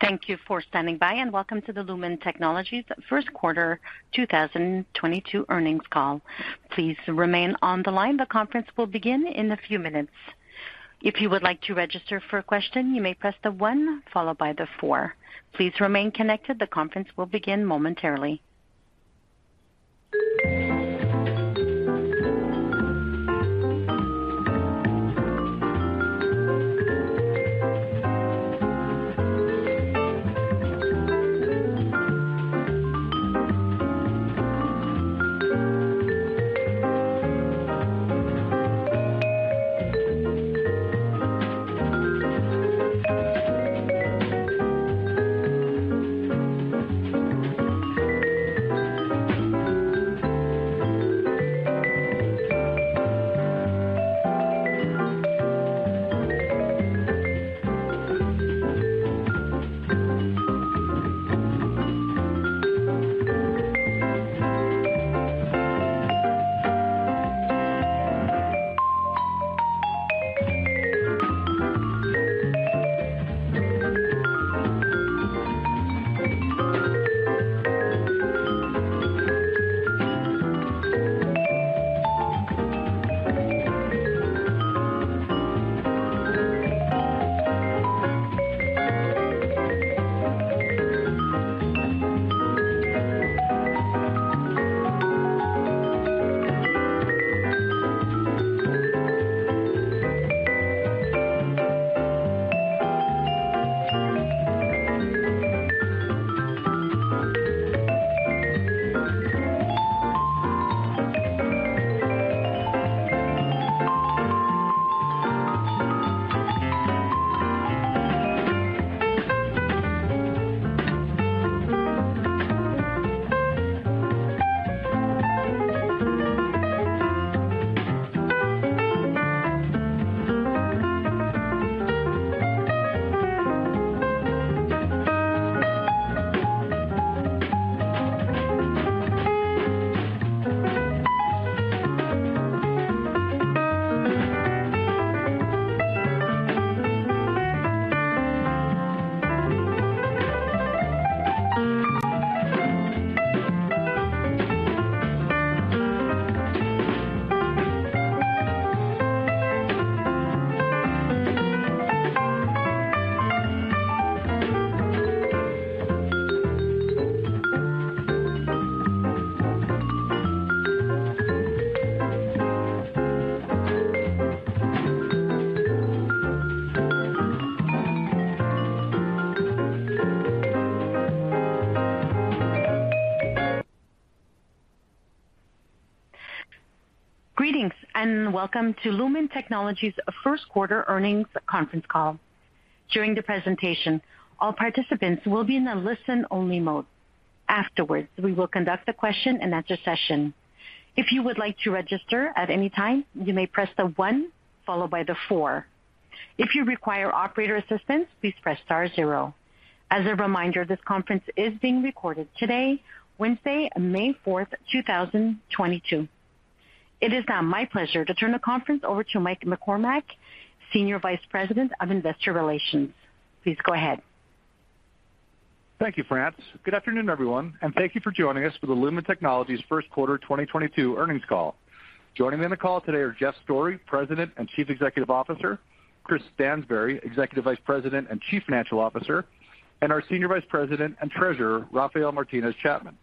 Thank you for standing by, and welcome to the Lumen Technologies first quarter 2022 earnings call. Please remain on the line. The conference will begin in a few minutes. If you would like to register for a question, you may press the one followed by the four. Please remain connected. The conference will begin momentarily. Greetings, and welcome to Lumen Technologies first quarter earnings conference call. During the presentation, all participants will be in a listen-only mode. Afterwards, we will conduct a question-and-answer session. If you would like to register at any time, you may press the one followed by the four. If you require operator assistance, please press star zero. As a reminder, this conference is being recorded today, Wednesday, May 4, 2022. It is now my pleasure to turn the conference over to Mike McCormack, Senior Vice President of Investor Relations. Please go ahead. Thank you, France. Good afternoon, everyone, and thank you for joining us for the Lumen Technologies first quarter 2022 earnings call. Joining me on the call today are Jeff Storey, President and Chief Executive Officer, Chris Stansbury, Executive Vice President and Chief Financial Officer, and our Senior Vice President and Treasurer, Rafael Martinez-Chapman.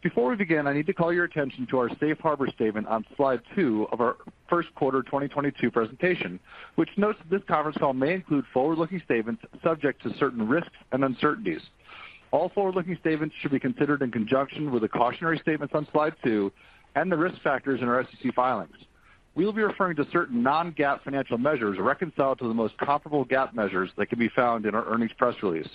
Before we begin, I need to call your attention to our safe harbor statement on slide two of our first quarter 2022 presentation, which notes that this conference call may include forward-looking statements subject to certain risks and uncertainties. All forward-looking statements should be considered in conjunction with the cautionary statements on slide two and the risk factors in our SEC filings. We will be referring to certain non-GAAP financial measures reconciled to the most comparable GAAP measures that can be found in our earnings press release.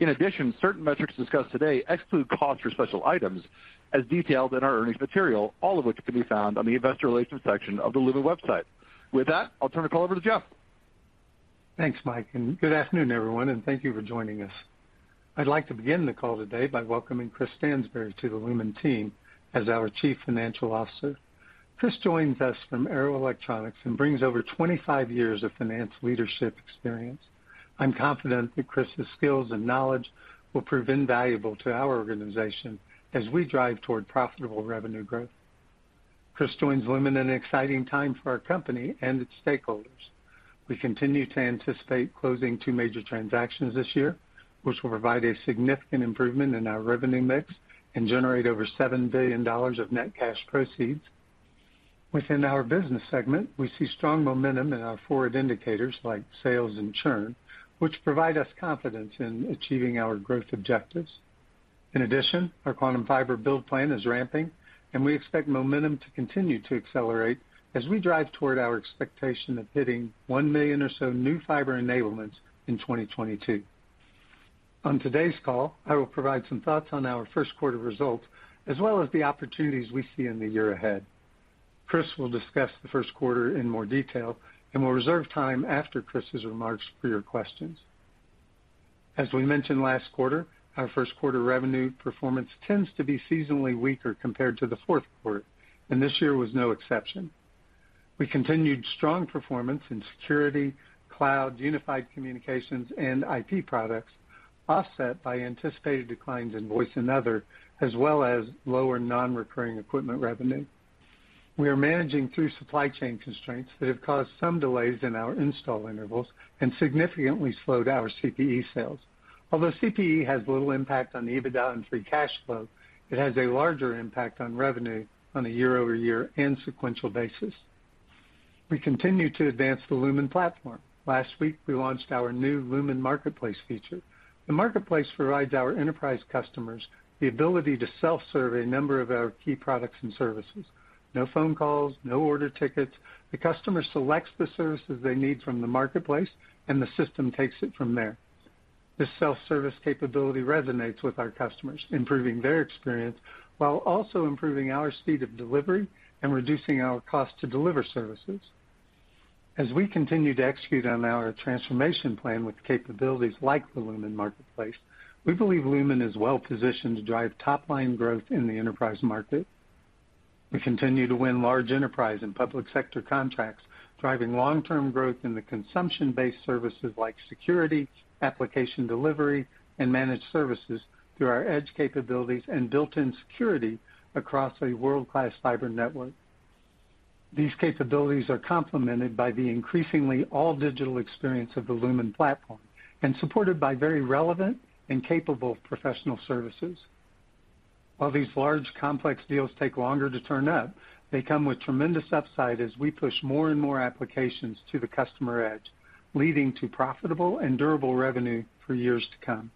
In addition, certain metrics discussed today exclude costs for special items as detailed in our earnings material, all of which can be found on the investor relations section of the Lumen website. With that, I'll turn the call over to Jeff. Thanks, Mike, and good afternoon, everyone, and thank you for joining us. I'd like to begin the call today by welcoming Chris Stansbury to the Lumen team as our Chief Financial Officer. Chris joins us from Arrow Electronics and brings over 25 years of finance leadership experience. I'm confident that Chris's skills and knowledge will prove invaluable to our organization as we drive toward profitable revenue growth. Chris joins Lumen at an exciting time for our company and its stakeholders. We continue to anticipate closing two major transactions this year, which will provide a significant improvement in our revenue mix and generate over $7 billion of net cash proceeds. Within our business segment, we see strong momentum in our forward indicators, like sales and churn, which provide us confidence in achieving our growth objectives. In addition, our Quantum Fiber build plan is ramping, and we expect momentum to continue to accelerate as we drive toward our expectation of hitting 1 million or so new fiber enablements in 2022. On today's call, I will provide some thoughts on our first quarter results as well as the opportunities we see in the year ahead. Chris will discuss the first quarter in more detail, and we'll reserve time after Chris's remarks for your questions. As we mentioned last quarter, our first quarter revenue performance tends to be seasonally weaker compared to the fourth quarter, and this year was no exception. We continued strong performance in security, cloud, unified communications, and IT products, offset by anticipated declines in voice and other, as well as lower non-recurring equipment revenue. We are managing through supply chain constraints that have caused some delays in our install intervals and significantly slowed our CPE sales. Although CPE has little impact on the EBITDA and free cash flow, it has a larger impact on revenue on a year-over-year and sequential basis. We continue to advance the Lumen Platform. Last week, we launched our new Lumen Marketplace feature. The marketplace provides our enterprise customers the ability to self-serve a number of our key products and services. No phone calls, no order tickets. The customer selects the services they need from the marketplace, and the system takes it from there. This self-service capability resonates with our customers, improving their experience while also improving our speed of delivery and reducing our cost to deliver services. As we continue to execute on our transformation plan with capabilities like the Lumen Marketplace, we believe Lumen is well-positioned to drive top-line growth in the enterprise market. We continue to win large enterprise and public sector contracts, driving long-term growth in the consumption-based services like security, application delivery, and managed services through our edge capabilities and built-in security across a world-class fiber network. These capabilities are complemented by the increasingly all-digital experience of the Lumen Platform and supported by very relevant and capable professional services. While these large complex deals take longer to turn up, they come with tremendous upside as we push more and more applications to the customer edge, leading to profitable and durable revenue for years to come.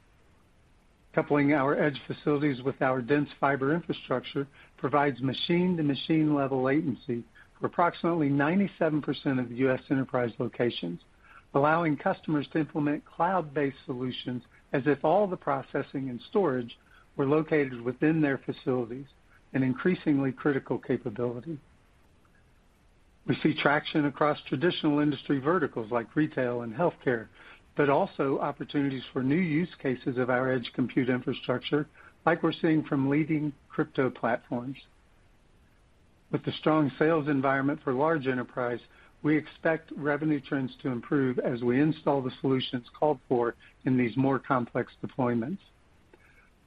Coupling our edge facilities with our dense fiber infrastructure provides machine-to-machine level latency for approximately 97% of the U.S. enterprise locations, allowing customers to implement cloud-based solutions as if all the processing and storage were located within their facilities, an increasingly critical capability. We see traction across traditional industry verticals like retail and healthcare, but also opportunities for new use cases of our edge compute infrastructure, like we're seeing from leading crypto platforms. With the strong sales environment for large enterprise, we expect revenue trends to improve as we install the solutions called for in these more complex deployments.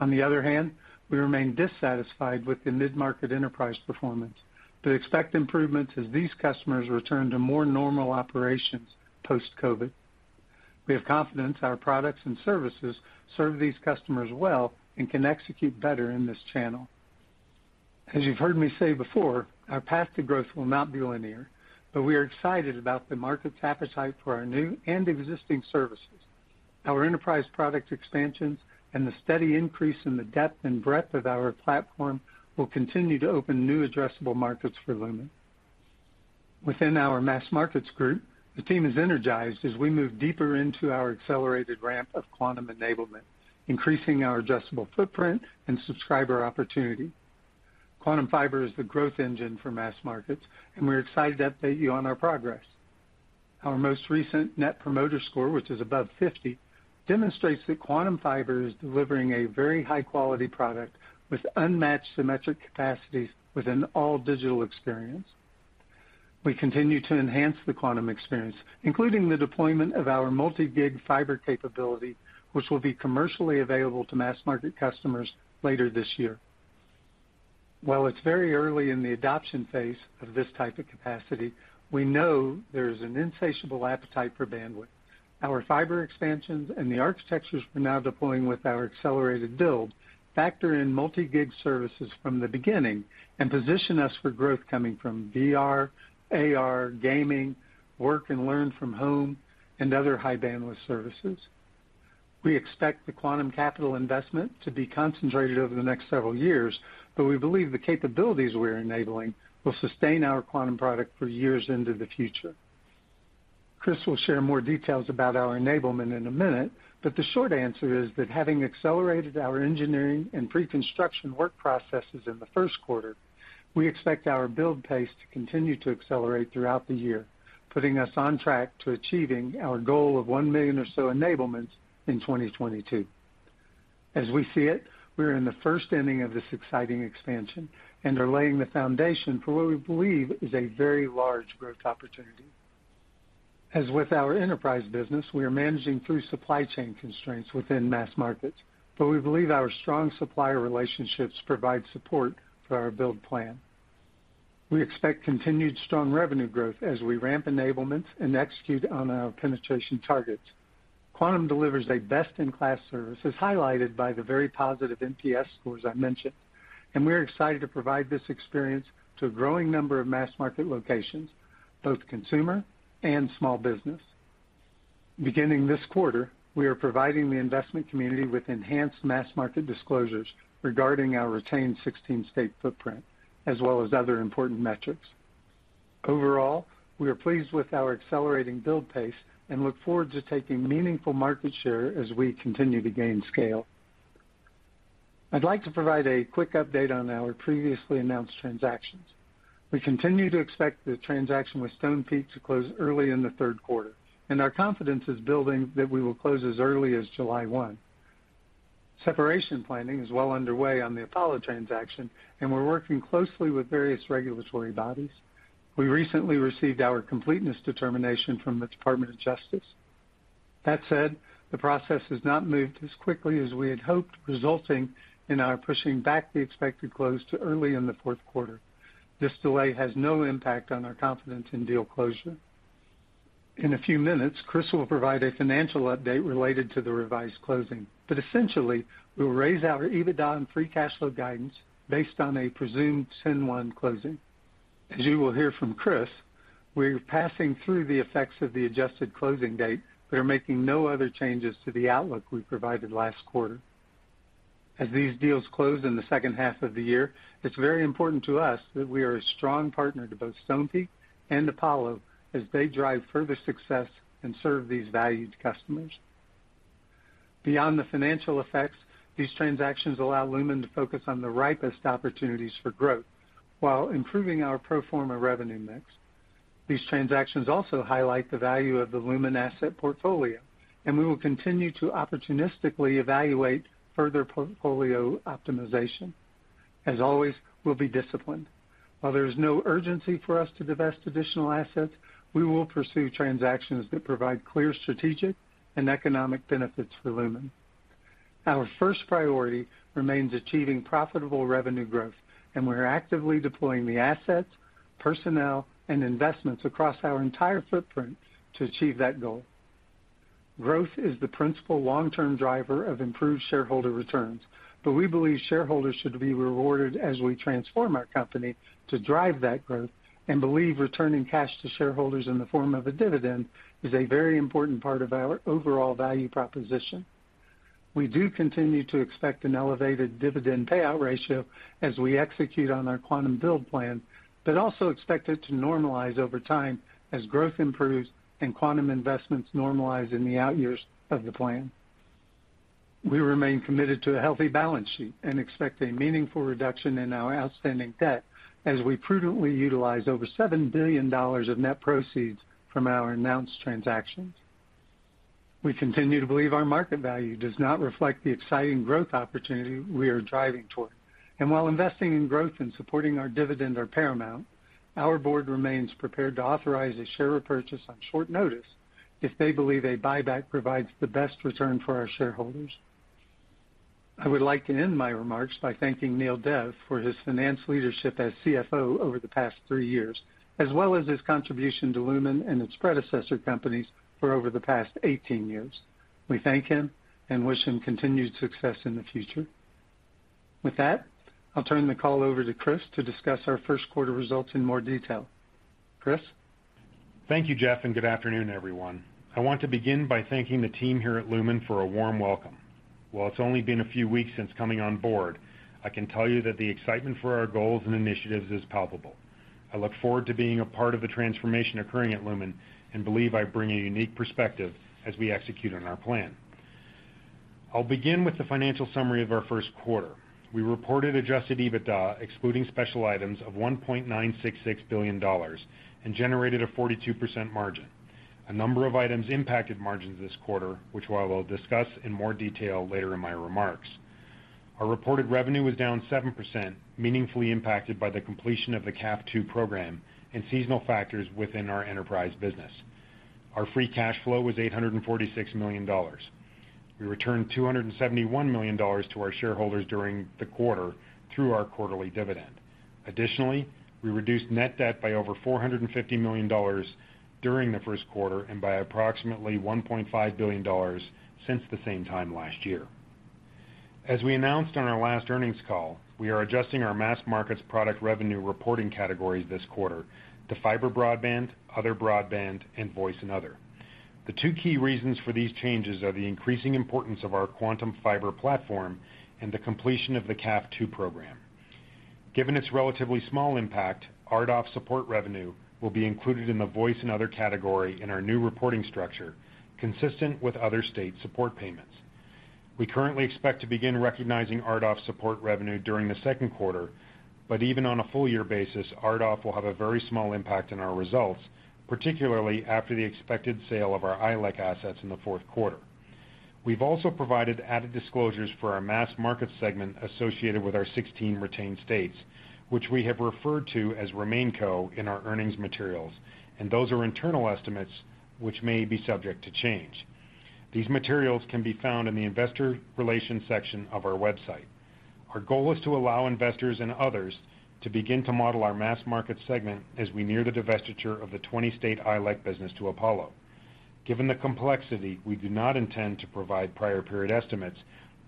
On the other hand, we remain dissatisfied with the mid-market enterprise performance, but expect improvements as these customers return to more normal operations post-COVID. We have confidence our products and services serve these customers well and can execute better in this channel. As you've heard me say before, our path to growth will not be linear, but we are excited about the market's appetite for our new and existing services. Our enterprise product expansions and the steady increase in the depth and breadth of our platform will continue to open new addressable markets for Lumen. Within our Mass Markets group, the team is energized as we move deeper into our accelerated ramp of Quantum Fiber enablement, increasing our addressable footprint and subscriber opportunity. Quantum Fiber is the growth engine for Mass Markets, and we're excited to update you on our progress. Our most recent net promoter score, which is above 50, demonstrates that Quantum Fiber is delivering a very high-quality product with unmatched symmetric capacities within an all-digital experience. We continue to enhance the Quantum experience, including the deployment of our multi-gig fiber capability, which will be commercially available to mass market customers later this year. While it's very early in the adoption phase of this type of capacity, we know there is an insatiable appetite for bandwidth. Our fiber expansions and the architectures we're now deploying with our accelerated build factor in multi-gig services from the beginning and position us for growth coming from VR, AR, gaming, work and learn from home, and other high-bandwidth services. We expect the Quantum capital investment to be concentrated over the next several years, but we believe the capabilities we're enabling will sustain our Quantum product for years into the future. Chris will share more details about our enablement in a minute, but the short answer is that having accelerated our engineering and pre-construction work processes in the first quarter, we expect our build pace to continue to accelerate throughout the year, putting us on track to achieving our goal of 1 million or so enablements in 2022. As we see it, we're in the first inning of this exciting expansion and are laying the foundation for what we believe is a very large growth opportunity. As with our enterprise business, we are managing through supply chain constraints within Mass Markets, but we believe our strong supplier relationships provide support for our build plan. We expect continued strong revenue growth as we ramp enablements and execute on our penetration targets. Quantum delivers a best-in-class service, as highlighted by the very positive NPS scores I mentioned, and we are excited to provide this experience to a growing number of mass market locations, both consumer and small business. Beginning this quarter, we are providing the investment community with enhanced mass market disclosures regarding our retained 16-state footprint, as well as other important metrics. Overall, we are pleased with our accelerating build pace and look forward to taking meaningful market share as we continue to gain scale. I'd like to provide a quick update on our previously announced transactions. We continue to expect the transaction with Stonepeak to close early in the third quarter, and our confidence is building that we will close as early as July 1. Separation planning is well underway on the Apollo transaction, and we're working closely with various regulatory bodies. We recently received our completeness determination from the Department of Justice. That said, the process has not moved as quickly as we had hoped, resulting in our pushing back the expected close to early in the fourth quarter. This delay has no impact on our confidence in deal closure. In a few minutes, Chris will provide a financial update related to the revised closing. Essentially, we'll raise our EBITDA and free cash flow guidance based on a presumed scenario one closing. As you will hear from Chris, we're passing through the effects of the adjusted closing date. We are making no other changes to the outlook we provided last quarter. As these deals close in the second half of the year, it's very important to us that we are a strong partner to both Stonepeak and Apollo as they drive further success and serve these valued customers. Beyond the financial effects, these transactions allow Lumen to focus on the ripest opportunities for growth while improving our pro forma revenue mix. These transactions also highlight the value of the Lumen asset portfolio, and we will continue to opportunistically evaluate further portfolio optimization. As always, we'll be disciplined. While there is no urgency for us to divest additional assets, we will pursue transactions that provide clear strategic and economic benefits for Lumen. Our first priority remains achieving profitable revenue growth, and we're actively deploying the assets, personnel, and investments across our entire footprint to achieve that goal. Growth is the principal long-term driver of improved shareholder returns, but we believe shareholders should be rewarded as we transform our company to drive that growth and believe returning cash to shareholders in the form of a dividend is a very important part of our overall value proposition. We do continue to expect an elevated dividend payout ratio as we execute on our Quantum build plan, but also expect it to normalize over time as growth improves and Quantum investments normalize in the outyears of the plan. We remain committed to a healthy balance sheet and expect a meaningful reduction in our outstanding debt as we prudently utilize over $7 billion of net proceeds from our announced transactions. We continue to believe our market value does not reflect the exciting growth opportunity we are driving toward. While investing in growth and supporting our dividend are paramount, our board remains prepared to authorize a share repurchase on short notice if they believe a buyback provides the best return for our shareholders. I would like to end my remarks by thanking Neel Dev for his finance leadership as CFO over the past three years, as well as his contribution to Lumen and its predecessor companies for over the past 18 years. We thank him and wish him continued success in the future. With that, I'll turn the call over to Chris to discuss our first quarter results in more detail. Chris. Thank you, Jeff, and good afternoon, everyone. I want to begin by thanking the team here at Lumen for a warm welcome. While it's only been a few weeks since coming on board, I can tell you that the excitement for our goals and initiatives is palpable. I look forward to being a part of the transformation occurring at Lumen and believe I bring a unique perspective as we execute on our plan. I'll begin with the financial summary of our first quarter. We reported adjusted EBITDA excluding special items of $1.966 billion and generated a 42% margin. A number of items impacted margins this quarter, which I will discuss in more detail later in my remarks. Our reported revenue was down 7%, meaningfully impacted by the completion of the CAF II program and seasonal factors within our enterprise business. Our free cash flow was $846 million. We returned $271 million to our shareholders during the quarter through our quarterly dividend. Additionally, we reduced net debt by over $450 million during the first quarter and by approximately $1.5 billion since the same time last year. As we announced on our last earnings call, we are adjusting our mass markets product revenue reporting categories this quarter to fiber broadband, other broadband, and voice and other. The two key reasons for these changes are the increasing importance of our Quantum Fiber platform and the completion of the CAF II program. Given its relatively small impact, RDOF support revenue will be included in the voice and other category in our new reporting structure, consistent with other state support payments. We currently expect to begin recognizing RDOF support revenue during the second quarter, but even on a full year basis, RDOF will have a very small impact on our results, particularly after the expected sale of our ILEC assets in the fourth quarter. We've also provided added disclosures for our mass market segment associated with our 16 retained states, which we have referred to as RemainCo in our earnings materials, and those are internal estimates which may be subject to change. These materials can be found in the investor relations section of our website. Our goal is to allow investors and others to begin to model our mass market segment as we near the divestiture of the 20-state ILEC business to Apollo. Given the complexity, we do not intend to provide prior period estimates,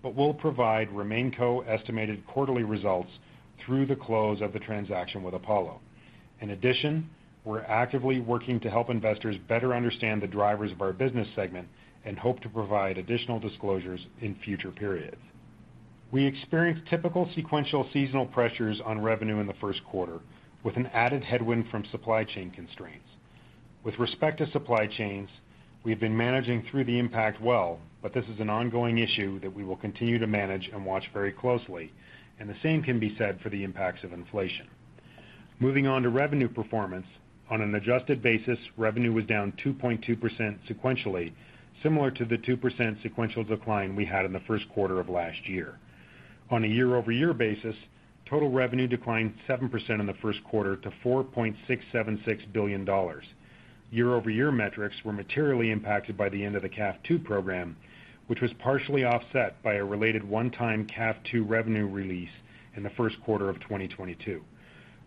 but we'll provide RemainCo estimated quarterly results through the close of the transaction with Apollo. In addition, we're actively working to help investors better understand the drivers of our business segment and hope to provide additional disclosures in future periods. We experienced typical sequential seasonal pressures on revenue in the first quarter with an added headwind from supply chain constraints. With respect to supply chains, we have been managing through the impact well, but this is an ongoing issue that we will continue to manage and watch very closely, and the same can be said for the impacts of inflation. Moving on to revenue performance. On an adjusted basis, revenue was down 2.2% sequentially, similar to the 2% sequential decline we had in the first quarter of last year. On a year-over-year basis, total revenue declined 7% in the first quarter to $4.676 billion. Year-over-year metrics were materially impacted by the end of the CAF II program, which was partially offset by a related one-time CAF II revenue release in the first quarter of 2022.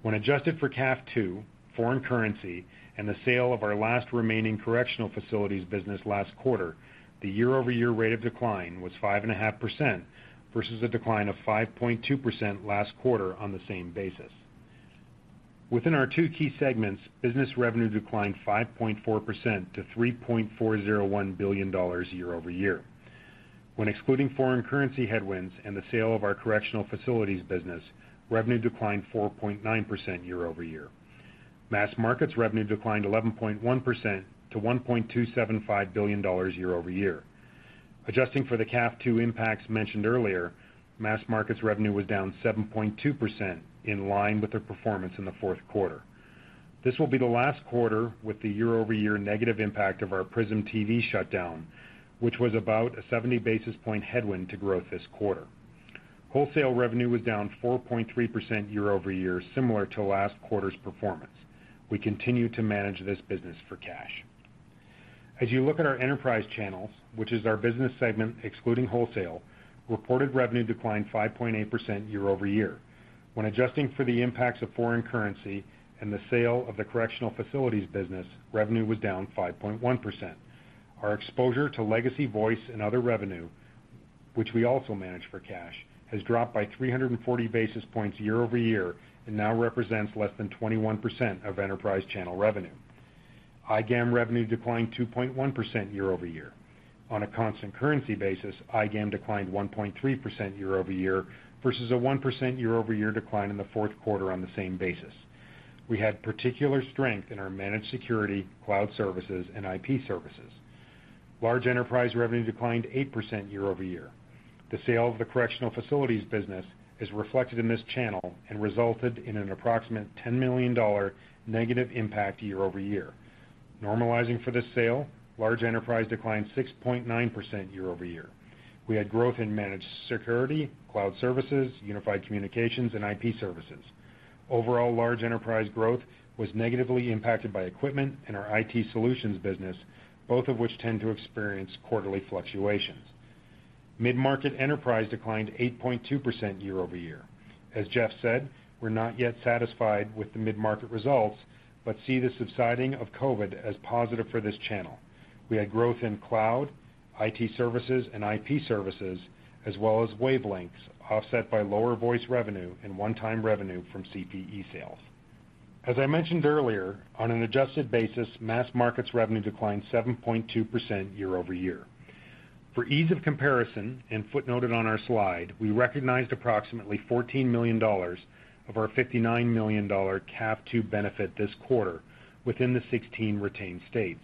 When adjusted for CAF II, foreign currency, and the sale of our last remaining correctional facilities business last quarter, the year-over-year rate of decline was 5.5% versus a decline of 5.2% last quarter on the same basis. Within our two key segments, business revenue declined 5.4% to $3.401 billion year-over-year. When excluding foreign currency headwinds and the sale of our correctional facilities business, revenue declined 4.9% year-over-year. Mass markets revenue declined 11.1% to $1.275 billion year-over-year. Adjusting for the CAF II impacts mentioned earlier, mass markets revenue was down 7.2% in line with the performance in the fourth quarter. This will be the last quarter with the year-over-year negative impact of our Prism TV shutdown, which was about a 70 basis point headwind to growth this quarter. Wholesale revenue was down 4.3% year-over-year, similar to last quarter's performance. We continue to manage this business for cash. As you look at our enterprise channels, which is our business segment excluding wholesale, reported revenue declined 5.8% year-over-year. When adjusting for the impacts of foreign currency and the sale of the correctional facilities business, revenue was down 5.1%. Our exposure to legacy voice and other revenue, which we also manage for cash, has dropped by 340 basis points year-over-year and now represents less than 21% of enterprise channel revenue. IGAM revenue declined 2.1% year-over-year. On a constant currency basis, IGAM declined 1.3% year-over-year versus a 1% year-over-year decline in the fourth quarter on the same basis. We had particular strength in our managed security, cloud services, and IP services. Large enterprise revenue declined 8% year-over-year. The sale of the correctional facilities business is reflected in this channel and resulted in an approximate $10 million negative impact year-over-year. Normalizing for the sale, large enterprise declined 6.9% year-over-year. We had growth in managed security, cloud services, unified communications, and IP services. Overall, large enterprise growth was negatively impacted by equipment and our IT solutions business, both of which tend to experience quarterly fluctuations. Mid-market enterprise declined 8.2% year-over-year. As Jeff said, we're not yet satisfied with the mid-market results, but we see the subsiding of COVID as positive for this channel. We had growth in cloud, IT services, and IP services, as well as wavelengths offset by lower voice revenue and one-time revenue from CPE sales. As I mentioned earlier, on an adjusted basis, mass markets revenue declined 7.2% year-over-year. For ease of comparison and footnoted on our slide, we recognized approximately $14 million of our $59 million CAF II benefit this quarter within the 16 retained states.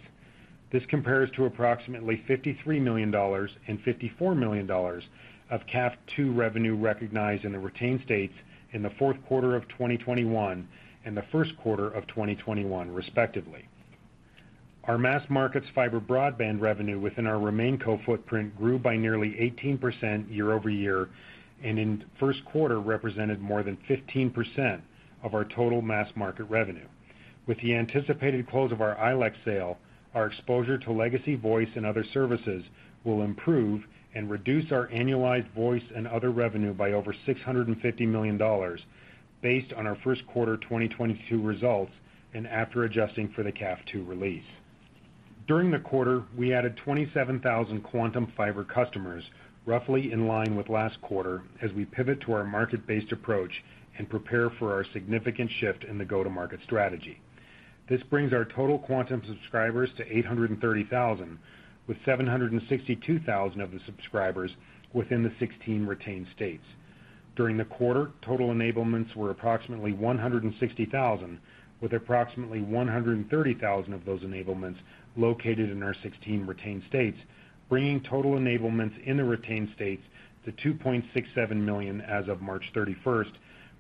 This compares to approximately $53 million and $54 million of CAF II revenue recognized in the retained states in the fourth quarter of 2021 and the first quarter of 2021, respectively. Our mass markets fiber broadband revenue within our RemainCo footprint grew by nearly 18% year-over-year, and in the first quarter represented more than 15% of our total mass market revenue. With the anticipated close of our ILEC sale, our exposure to legacy voice and other services will improve and reduce our annualized voice and other revenue by over $650 million based on our first quarter 2022 results and after adjusting for the CAF II release. During the quarter, we added 27,000 Quantum Fiber customers, roughly in line with last quarter as we pivot to our market-based approach and prepare for our significant shift in the go-to-market strategy. This brings our total Quantum subscribers to 830,000, with 762,000 of the subscribers within the 16 retained states. During the quarter, total enablements were approximately 160,000, with approximately 130,000 of those enablements located in our 16 retained states, bringing total enablements in the retained states to 2.67 million as of March 31,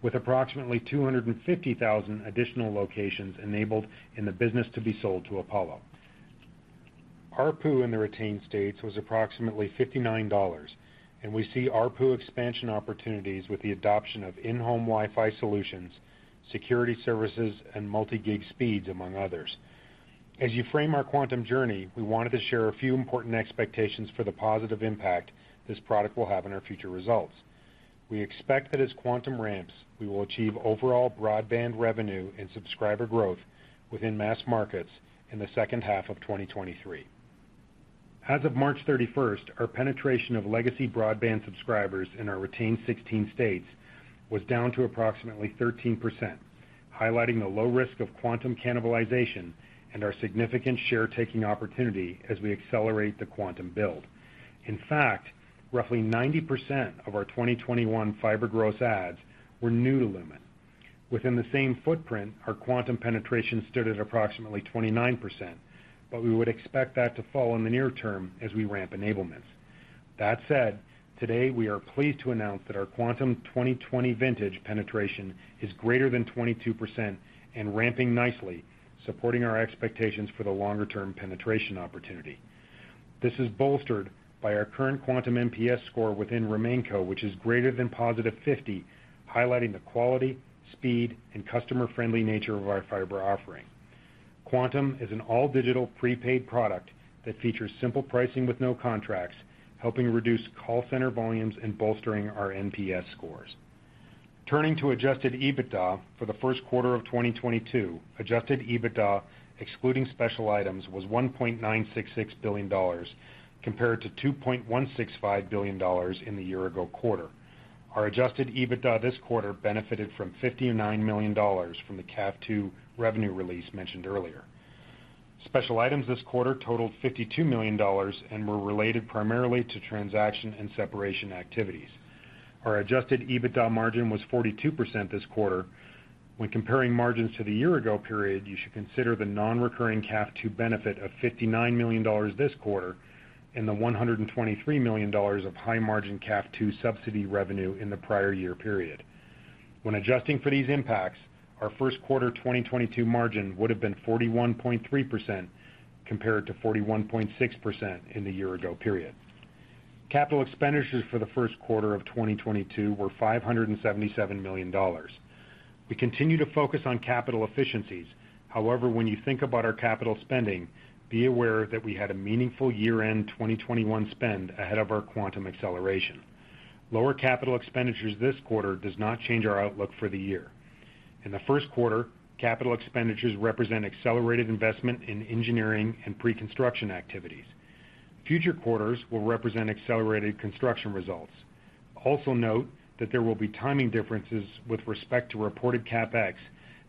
with approximately 250,000 additional locations enabled in the business to be sold to Apollo. ARPU in the retained states was approximately $59, and we see ARPU expansion opportunities with the adoption of in-home Wi-Fi solutions, security services, and multi-gig speeds, among others. As you frame our Quantum journey, we wanted to share a few important expectations for the positive impact this product will have on our future results. We expect that as Quantum ramps, we will achieve overall broadband revenue and subscriber growth within mass markets in the second half of 2023. As of March 31, our penetration of legacy broadband subscribers in our retained 16 states was down to approximately 13%, highlighting the low risk of Quantum cannibalization and our significant share taking opportunity as we accelerate the Quantum build. In fact, roughly 90% of our 2021 fiber gross adds were new to Lumen. Within the same footprint, our Quantum penetration stood at approximately 29%, but we would expect that to fall in the near term as we ramp enablements. That said, today we are pleased to announce that our Quantum 2020 vintage penetration is greater than 22% and ramping nicely, supporting our expectations for the longer-term penetration opportunity. This is bolstered by our current Quantum NPS score within RemainCo, which is greater than positive 50, highlighting the quality, speed, and customer-friendly nature of our fiber offering. Quantum is an all-digital prepaid product that features simple pricing with no contracts, helping reduce call center volumes and bolstering our NPS scores. Turning to adjusted EBITDA for the first quarter of 2022, adjusted EBITDA excluding special items was $1.966 billion compared to $2.165 billion in the year ago quarter. Our adjusted EBITDA this quarter benefited from $59 million from the CAF II revenue release mentioned earlier. Special items this quarter totaled $52 million and were related primarily to transaction and separation activities. Our adjusted EBITDA margin was 42% this quarter. When comparing margins to the year ago period, you should consider the non-recurring CAF II benefit of $59 million this quarter and the $123 million of high margin CAF II subsidy revenue in the prior year period. When adjusting for these impacts, our first quarter 2022 margin would have been 41.3% compared to 41.6% in the year ago period. Capital expenditures for the first quarter of 2022 were $577 million. We continue to focus on capital efficiencies. However, when you think about our capital spending, be aware that we had a meaningful year-end 2021 spend ahead of our Quantum acceleration. Lower capital expenditures this quarter does not change our outlook for the year. In the first quarter, capital expenditures represent accelerated investment in engineering and pre-construction activities. Future quarters will represent accelerated construction results. Also note that there will be timing differences with respect to reported CapEx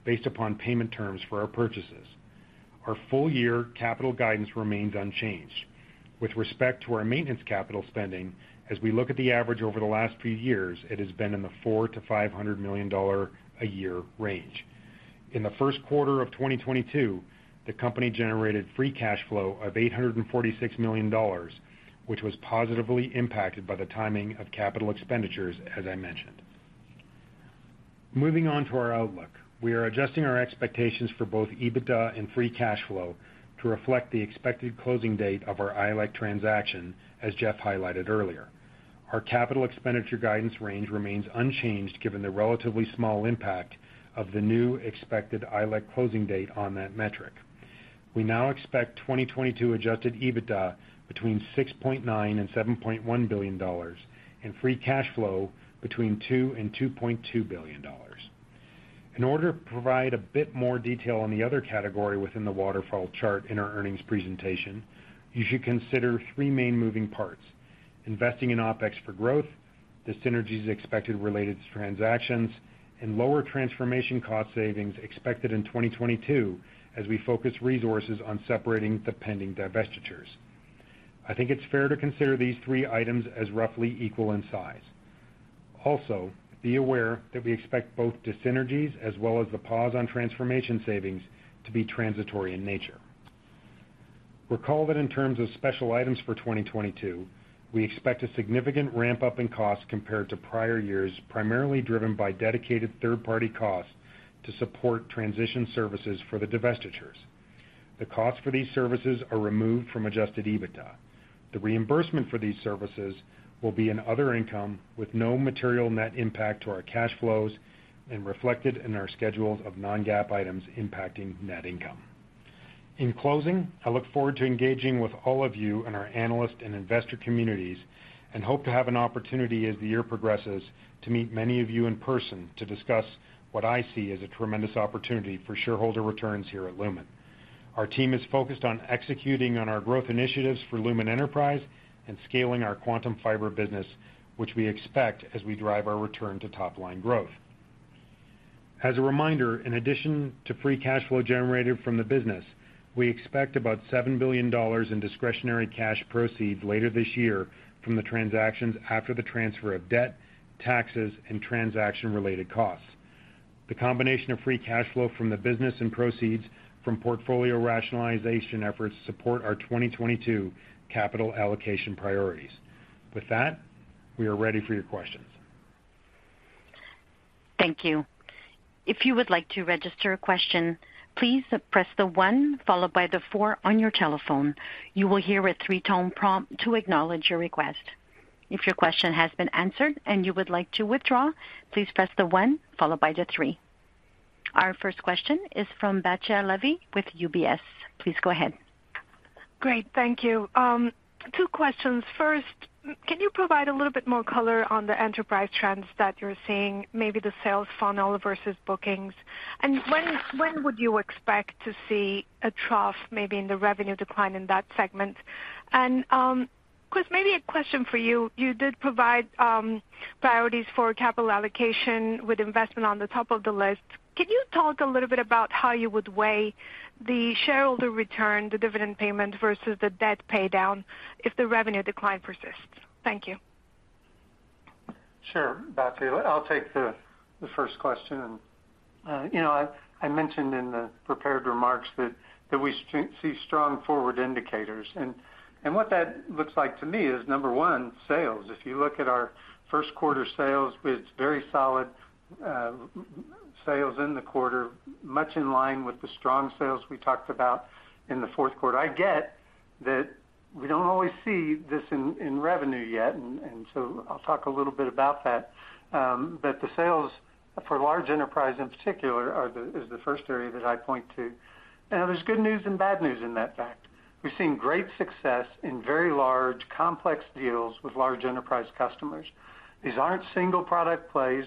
based upon payment terms for our purchases. Our full year capital guidance remains unchanged. With respect to our maintenance capital spending, as we look at the average over the last few years, it has been in the $400 million-$500 million dollars a year range. In the first quarter of 2022, the company generated free cash flow of $846 million, which was positively impacted by the timing of capital expenditures, as I mentioned. Moving on to our outlook. We are adjusting our expectations for both EBITDA and free cash flow to reflect the expected closing date of our ILEC transaction, as Jeff highlighted earlier. Our capital expenditure guidance range remains unchanged given the relatively small impact of the new expected ILEC closing date on that metric. We now expect 2022 adjusted EBITDA between $6.9 billion and $7.1 billion and free cash flow between $2 billion and $2.2 billion. In order to provide a bit more detail on the other category within the waterfall chart in our earnings presentation, you should consider three main moving parts, investing in OpEx for growth, the synergies expected related to transactions, and lower transformation cost savings expected in 2022 as we focus resources on separating the pending divestitures. I think it's fair to consider these three items as roughly equal in size. Also, be aware that we expect both dissynergies as well as the pause on transformation savings to be transitory in nature. Recall that in terms of special items for 2022, we expect a significant ramp-up in costs compared to prior years, primarily driven by dedicated third-party costs to support transition services for the divestitures. The costs for these services are removed from adjusted EBITDA. The reimbursement for these services will be in other income with no material net impact to our cash flows and reflected in our schedules of non-GAAP items impacting net income. In closing, I look forward to engaging with all of you in our analyst and investor communities and hope to have an opportunity as the year progresses to meet many of you in person to discuss what I see as a tremendous opportunity for shareholder returns here at Lumen. Our team is focused on executing on our growth initiatives for Lumen Enterprise and scaling our Quantum Fiber business, which we expect as we drive our return to top-line growth. As a reminder, in addition to free cash flow generated from the business, we expect about $7 billion in discretionary cash proceeds later this year from the transactions after the transfer of debt, taxes, and transaction-related costs. The combination of free cash flow from the business and proceeds from portfolio rationalization efforts support our 2022 capital allocation priorities. With that, we are ready for your questions. Thank you. If you would like to register a question, please press the one followed by the four on your telephone. You will hear a three-tone prompt to acknowledge your request. If your question has been answered and you would like to withdraw, please press the one followed by the three. Our first question is from Batya Levi with UBS. Please go ahead. Great. Thank you. Two questions. First, can you provide a little bit more color on the enterprise trends that you're seeing, maybe the sales funnel versus bookings? When would you expect to see a trough maybe in the revenue decline in that segment? Chris, maybe a question for you. You did provide priorities for capital allocation with investment on the top of the list. Can you talk a little bit about how you would weigh the shareholder return, the dividend payment versus the debt paydown if the revenue decline persists? Thank you. Sure, Batya. I'll take the first question. You know, I mentioned in the prepared remarks that we see strong forward indicators. What that looks like to me is number one, sales. If you look at our first quarter sales with very solid sales in the quarter, much in line with the strong sales we talked about in the fourth quarter. I get that we don't always see this in revenue yet, and so I'll talk a little bit about that. But the sales for large enterprise in particular is the first area that I point to. There's good news and bad news in that fact. We've seen great success in very large, complex deals with large enterprise customers. These aren't single product plays.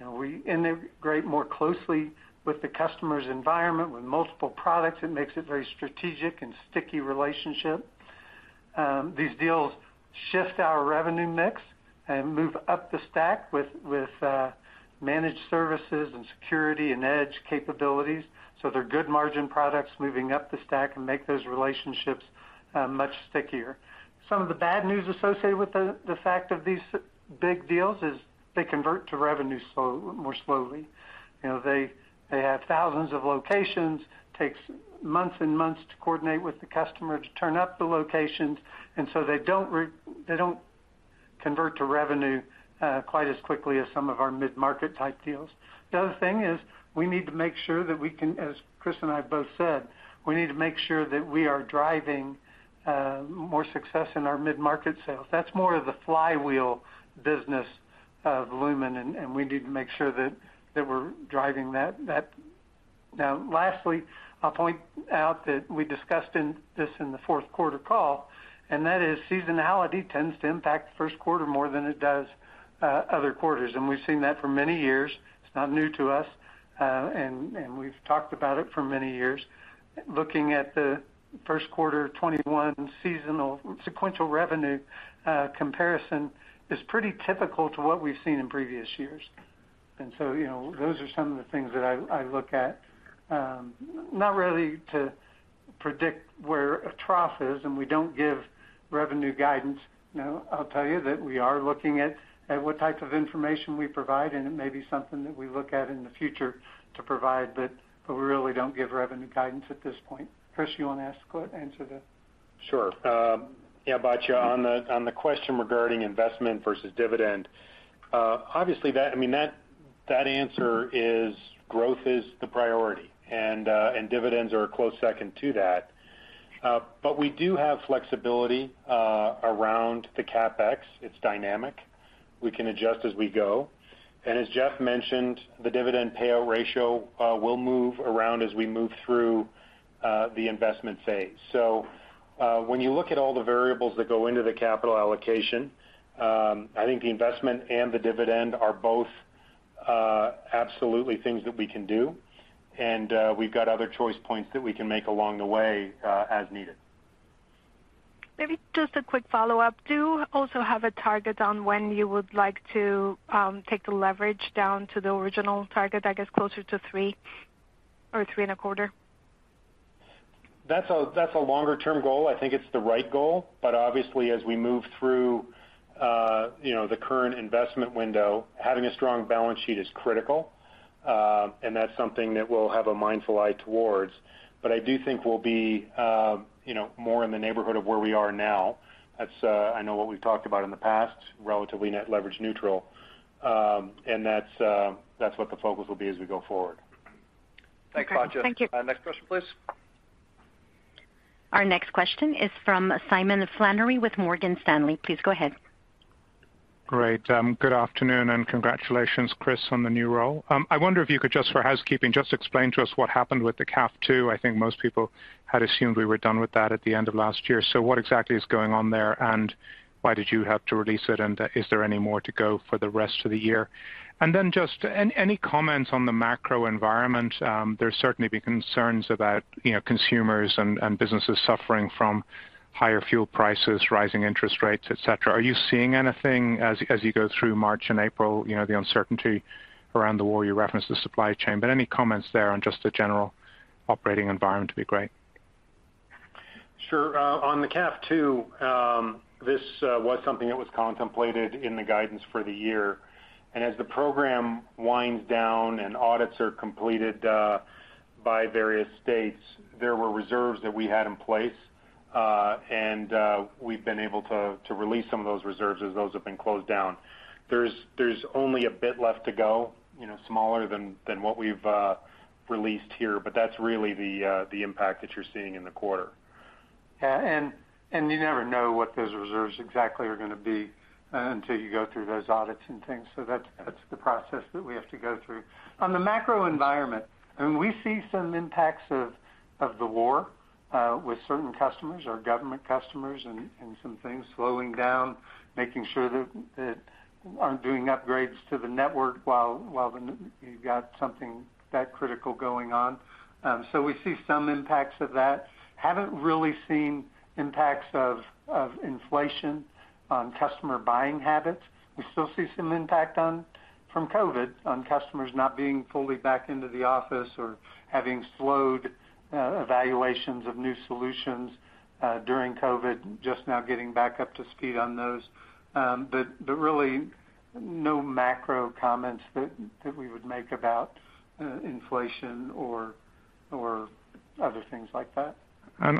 You know, we integrate more closely with the customer's environment, with multiple products. It makes it very strategic and sticky relationship. These deals shift our revenue mix and move up the stack with managed services and security and edge capabilities. They're good margin products moving up the stack and make those relationships much stickier. Some of the bad news associated with the fact of these big deals is they convert to revenue more slowly. You know, they have thousands of locations. It takes months and months to coordinate with the customer to turn up the locations. They don't convert to revenue quite as quickly as some of our mid-market type deals. The other thing is we need to make sure that we can, as Chris and I both said, we need to make sure that we are driving more success in our mid-market sales. That's more of the flywheel business of Lumen, and we need to make sure that we're driving that. Now lastly, I'll point out that we discussed this in the fourth quarter call, and that is seasonality tends to impact first quarter more than it does other quarters. We've seen that for many years. It's not new to us, and we've talked about it for many years. Looking at the first quarter 2021 seasonal sequential revenue comparison is pretty typical to what we've seen in previous years. You know, those are some of the things that I look at, not really to predict where a trough is, and we don't give revenue guidance. You know, I'll tell you that we are looking at what type of information we provide, and it may be something that we look at in the future to provide, but we really don't give revenue guidance at this point. Chris, you want to answer that? Sure. Yeah, Batya, on the question regarding investment versus dividend, obviously that answer is growth is the priority and dividends are a close second to that. We do have flexibility around the CapEx. It's dynamic. We can adjust as we go. As Jeff mentioned, the dividend payout ratio will move around as we move through the investment phase. When you look at all the variables that go into the capital allocation, I think the investment and the dividend are both absolutely things that we can do. We've got other choice points that we can make along the way as needed. Maybe just a quick follow-up. Do you also have a target on when you would like to take the leverage down to the original target, I guess, closer to 3 or 3.25? That's a longer term goal. I think it's the right goal. Obviously as we move through, you know, the current investment window, having a strong balance sheet is critical. That's something that we'll have a mindful eye towards. I do think we'll be, you know, more in the neighborhood of where we are now. That's, I know, what we've talked about in the past, relatively net leverage neutral. That's what the focus will be as we go forward. Thanks, Batya. Okay. Thank you. Next question, please. Our next question is from Simon Flannery with Morgan Stanley. Please go ahead. Great. Good afternoon, and congratulations, Chris, on the new role. I wonder if you could just for housekeeping, just explain to us what happened with the CAF II. I think most people had assumed we were done with that at the end of last year. What exactly is going on there, and why did you have to release it? Is there any more to go for the rest of the year? Just any comments on the macro environment? There's certainly been concerns about, you know, consumers and businesses suffering from higher fuel prices, rising interest rates, et cetera. Are you seeing anything as you go through March and April, you know, the uncertainty around the war, you referenced the supply chain, but any comments there on just the general operating environment would be great. Sure. On the CAF II, this was something that was contemplated in the guidance for the year. As the program winds down and audits are completed by various states, there were reserves that we had in place, and we've been able to release some of those reserves as those have been closed down. There's only a bit left to go, you know, smaller than what we've released here, but that's really the impact that you're seeing in the quarter. Yeah. You never know what those reserves exactly are gonna be until you go through those audits and things. That's the process that we have to go through. On the macro environment, I mean, we see some impacts of the war with certain customers, our government customers and some things slowing down, making sure that aren't doing upgrades to the network while you've got something that critical going on. We see some impacts of that. Haven't really seen impacts of inflation on customer buying habits. We still see some impact from COVID on customers not being fully back into the office or having slowed evaluations of new solutions during COVID, just now getting back up to speed on those. Really no macro comments that we would make about inflation or other things like that.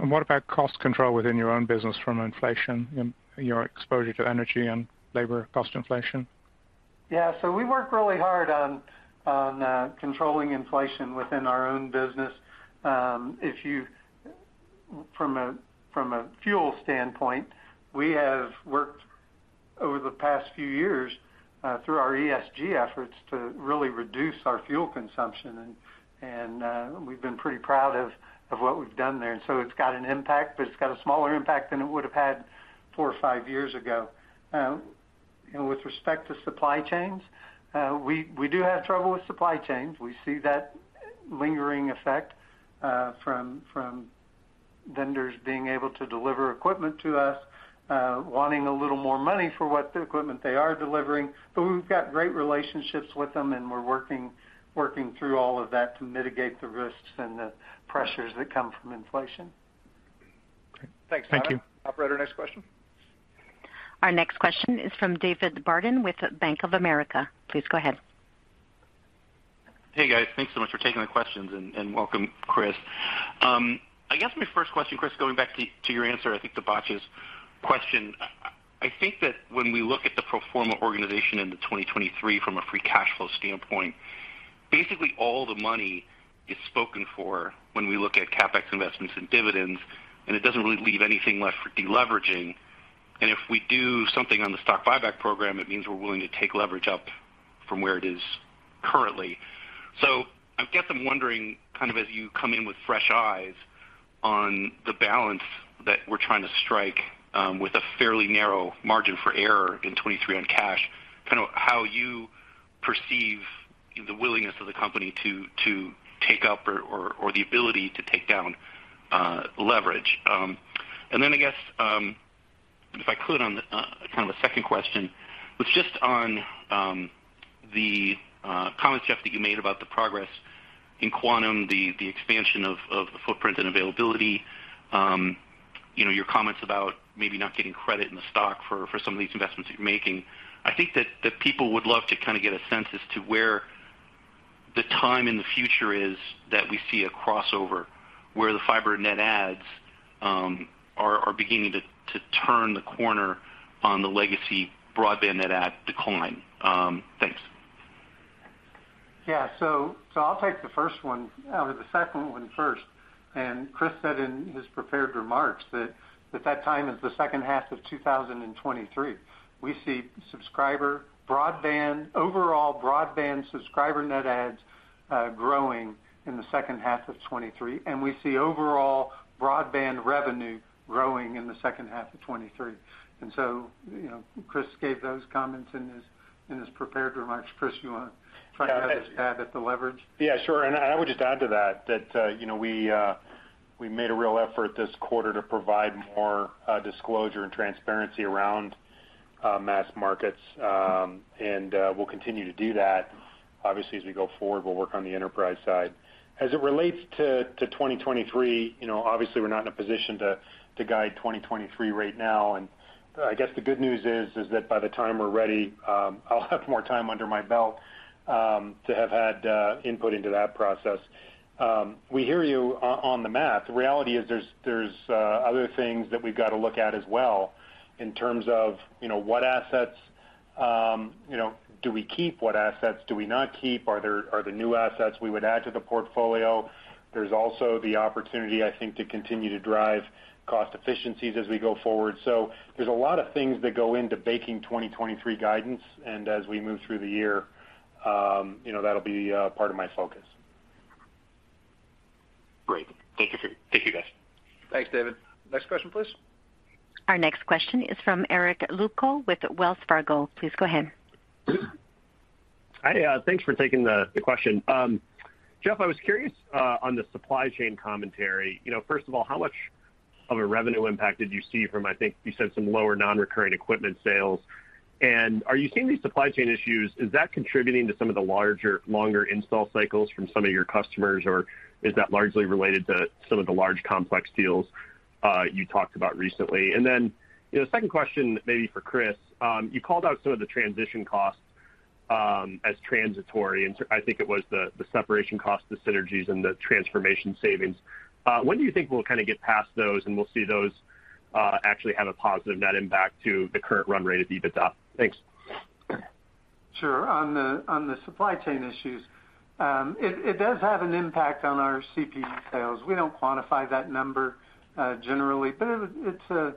What about cost control within your own business from inflation and your exposure to energy and labor cost inflation? We work really hard on controlling inflation within our own business. From a fuel standpoint, we have worked over the past few years through our ESG efforts to really reduce our fuel consumption. We've been pretty proud of what we've done there. It's got an impact, but it's got a smaller impact than it would have had four or five years ago. With respect to supply chains, we do have trouble with supply chains. We see that lingering effect from vendors being able to deliver equipment to us, wanting a little more money for what equipment they are delivering. But we've got great relationships with them, and we're working through all of that to mitigate the risks and the pressures that come from inflation. Okay. Thank you. Operator, next question. Our next question is from David Barden with Bank of America. Please go ahead. Hey, guys. Thanks so much for taking the questions and welcome, Chris. I guess my first question, Chris, going back to your answer, I think, to Batya's question. I think that when we look at the pro forma organization into 2023 from a free cash flow standpoint, basically all the money is spoken for when we look at CapEx investments and dividends, and it doesn't really leave anything left for deleveraging. If we do something on the stock buyback program, it means we're willing to take leverage up from where it is currently. I guess I'm wondering, kind of as you come in with fresh eyes on the balance that we're trying to strike, with a fairly narrow margin for error in 2023 on cash, kind of how you perceive the willingness of the company to take up or the ability to take down leverage. Then I guess, if I could on kind of a second question, was just on the comment, Jeff, that you made about the progress in Quantum, the expansion of the footprint and availability. You know, your comments about maybe not getting credit in the stock for some of these investments you're making. I think that the people would love to kind of get a sense as to where the time in the future is that we see a crossover where the fiber net adds are beginning to turn the corner on the legacy broadband net add decline. Thanks. Yeah. I'll take the first one or the second one first. Chris said in his prepared remarks that that time is the second half of 2023. We see subscriber broadband overall broadband subscriber net adds growing in the second half of 2023, and we see overall broadband revenue growing in the second half of 2023. You know, Chris gave those comments in his prepared remarks. Chris, you want to try to add to the leverage? Yeah, sure. I would just add to that that you know, we made a real effort this quarter to provide more disclosure and transparency around mass markets. We'll continue to do that. Obviously, as we go forward, we'll work on the enterprise side. As it relates to 2023, you know, obviously we're not in a position to guide 2023 right now. I guess the good news is that by the time we're ready, I'll have more time under my belt to have had input into that process. We hear you on the math. The reality is there's other things that we've got to look at as well in terms of you know, what assets you know, do we keep? What assets do we not keep? Are there new assets we would add to the portfolio? There's also the opportunity, I think, to continue to drive cost efficiencies as we go forward. There's a lot of things that go into baking 2023 guidance. As we move through the year, you know, that'll be part of my focus. Great. Thank you, guys. Thanks, David. Next question, please. Our next question is from Eric Luebchow with Wells Fargo. Please go ahead. Hi. Thanks for taking the question. Jeff, I was curious on the supply chain commentary. You know, first of all, how much of a revenue impact did you see from, I think, you said some lower non-recurring equipment sales. Are you seeing these supply chain issues? Is that contributing to some of the larger, longer install cycles from some of your customers? Or is that largely related to some of the large complex deals you talked about recently? You know, second question maybe for Chris. You called out some of the transition costs as transitory. I think it was the separation costs, the synergies, and the transformation savings. When do you think we'll kind of get past those and we'll see those actually have a positive net impact to the current run rate of EBITDA? Thanks. Sure. On the supply chain issues, it does have an impact on our CPE sales. We don't quantify that number, generally, but it's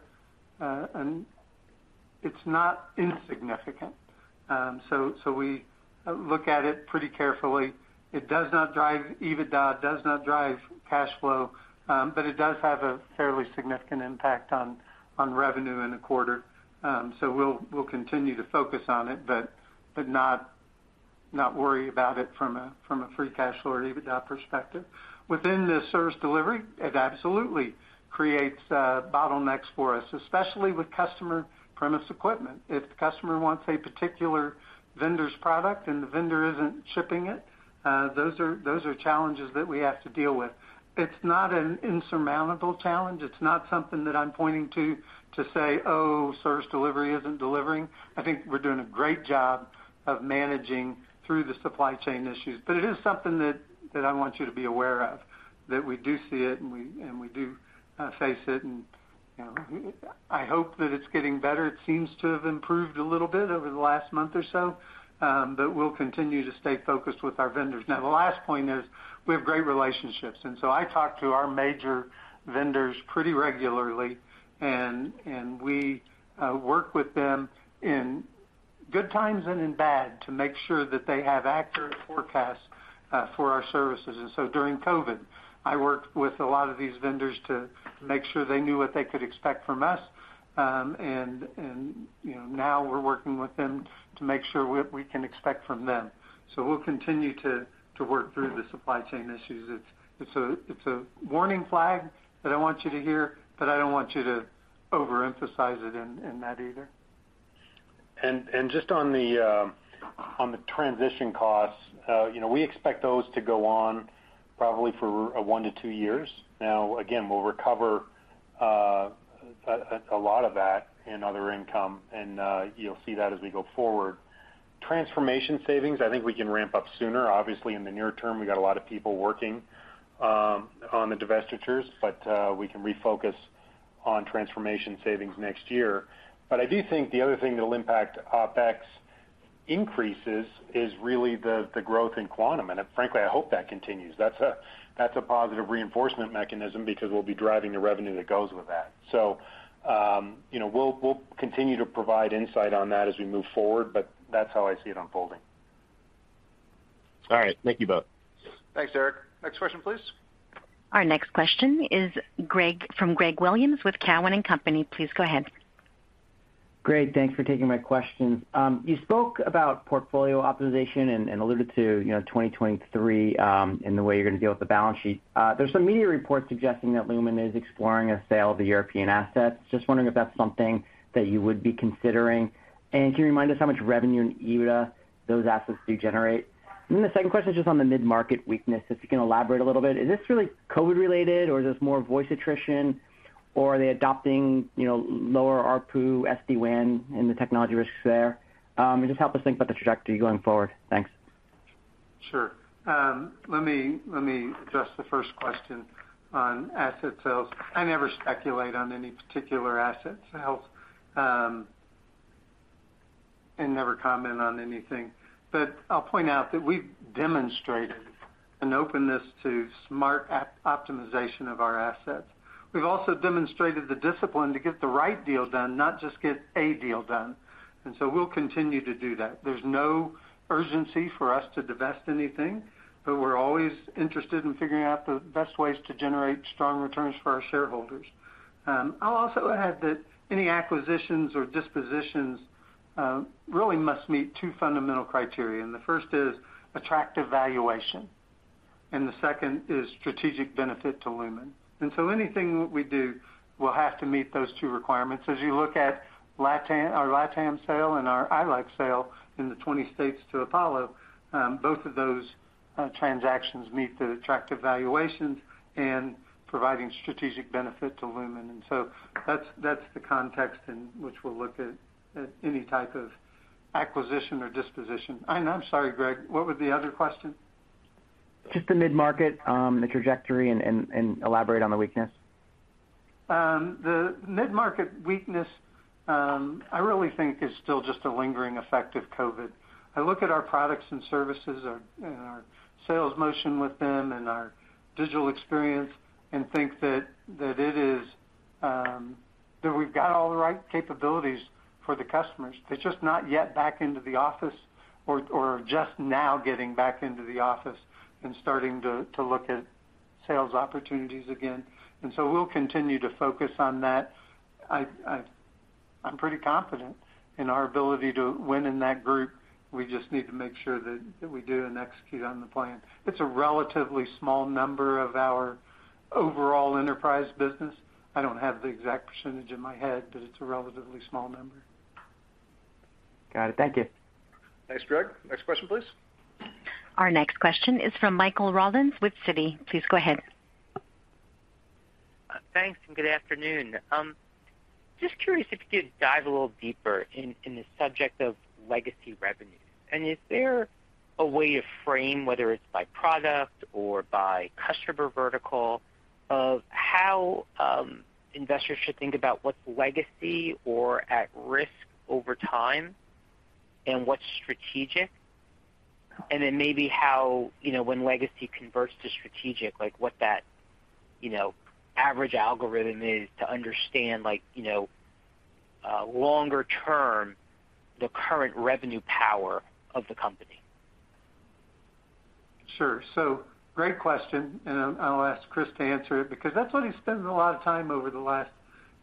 not insignificant. We look at it pretty carefully. It does not drive EBITDA, does not drive cash flow, but it does have a fairly significant impact on revenue in a quarter. We'll continue to focus on it, but not worry about it from a free cash flow or EBITDA perspective. Within the service delivery, it absolutely creates bottlenecks for us, especially with customer premise equipment. If the customer wants a particular vendor's product and the vendor isn't shipping it, those are challenges that we have to deal with. It's not an insurmountable challenge. It's not something that I'm pointing to say, oh, service delivery isn't delivering. I think we're doing a great job of managing through the supply chain issues. It is something that I want you to be aware of, that we do see it, and we do face it, and, you know, I hope that it's getting better. It seems to have improved a little bit over the last month or so, but we'll continue to stay focused with our vendors. Now, the last point is we have great relationships, and so I talk to our major vendors pretty regularly, and we work with them in good times and in bad to make sure that they have accurate forecasts for our services. During COVID, I worked with a lot of these vendors to make sure they knew what they could expect from us. You know, now we're working with them to make sure what we can expect from them. We'll continue to work through the supply chain issues. It's a warning flag that I want you to hear, but I don't want you to overemphasize it in that either. Just on the transition costs, you know, we expect those to go on probably for one to two years. Now, again, we'll recover a lot of that in other income, and you'll see that as we go forward. Transformation savings, I think we can ramp up sooner. Obviously, in the near term, we got a lot of people working on the divestitures, but we can refocus on transformation savings next year. I do think the other thing that'll impact OpEx increases is really the growth in Quantum. Frankly, I hope that continues. That's a positive reinforcement mechanism because we'll be driving the revenue that goes with that. You know, we'll continue to provide insight on that as we move forward, but that's how I see it unfolding. All right. Thank you both. Thanks, Eric. Next question, please. Our next question is from Greg Williams with Cowen and Company. Please go ahead. Great. Thanks for taking my questions. You spoke about portfolio optimization and alluded to, you know, 2023, in the way you're gonna deal with the balance sheet. There's some media reports suggesting that Lumen is exploring a sale of the European assets. Just wondering if that's something that you would be considering. Can you remind us how much revenue and EBITDA those assets do generate? The second question is just on the mid-market weakness. If you can elaborate a little bit, is this really COVID-related or is this more voice attrition, or are they adopting, you know, lower ARPU SD-WAN and the technology risks there? Just help us think about the trajectory going forward. Thanks. Sure. Let me address the first question on asset sales. I never speculate on any particular asset sales, and never comment on anything. I'll point out that we've demonstrated an openness to smart optimization of our assets. We've also demonstrated the discipline to get the right deal done, not just get a deal done. We'll continue to do that. There's no urgency for us to divest anything, but we're always interested in figuring out the best ways to generate strong returns for our shareholders. I'll also add that any acquisitions or dispositions really must meet two fundamental criteria, and the first is attractive valuation, and the second is strategic benefit to Lumen. Anything that we do will have to meet those two requirements. As you look at LatAm, our LatAm sale and our ILEC sale in the 20 states to Apollo, both of those transactions meet the attractive valuations and providing strategic benefit to Lumen. I'm sorry, Greg, what was the other question? Just the mid-market, the trajectory and elaborate on the weakness. The mid-market weakness, I really think is still just a lingering effect of COVID. I look at our products and services, and our sales motion with them and our digital experience and think that it is that we've got all the right capabilities for the customers. They're just not yet back into the office or just now getting back into the office and starting to look at sales opportunities again. We'll continue to focus on that. I'm pretty confident in our ability to win in that group. We just need to make sure that we do and execute on the plan. It's a relatively small number of our overall enterprise business. I don't have the exact percentage in my head, but it's a relatively small number. Got it. Thank you. Thanks, Greg. Next question, please. Our next question is from Michael Rollins with Citi. Please go ahead. Thanks, good afternoon. Just curious if you could dive a little deeper in the subject of legacy revenue. Is there a way to frame, whether it's by product or by customer vertical, of how investors should think about what's legacy or at risk over time and what's strategic? Then maybe how, you know, when legacy converts to strategic, like what that, you know, average algorithm is to understand like, you know, longer term, the current revenue power of the company. Sure. Great question, and I'll ask Chris to answer it because that's what he spends a lot of time over the last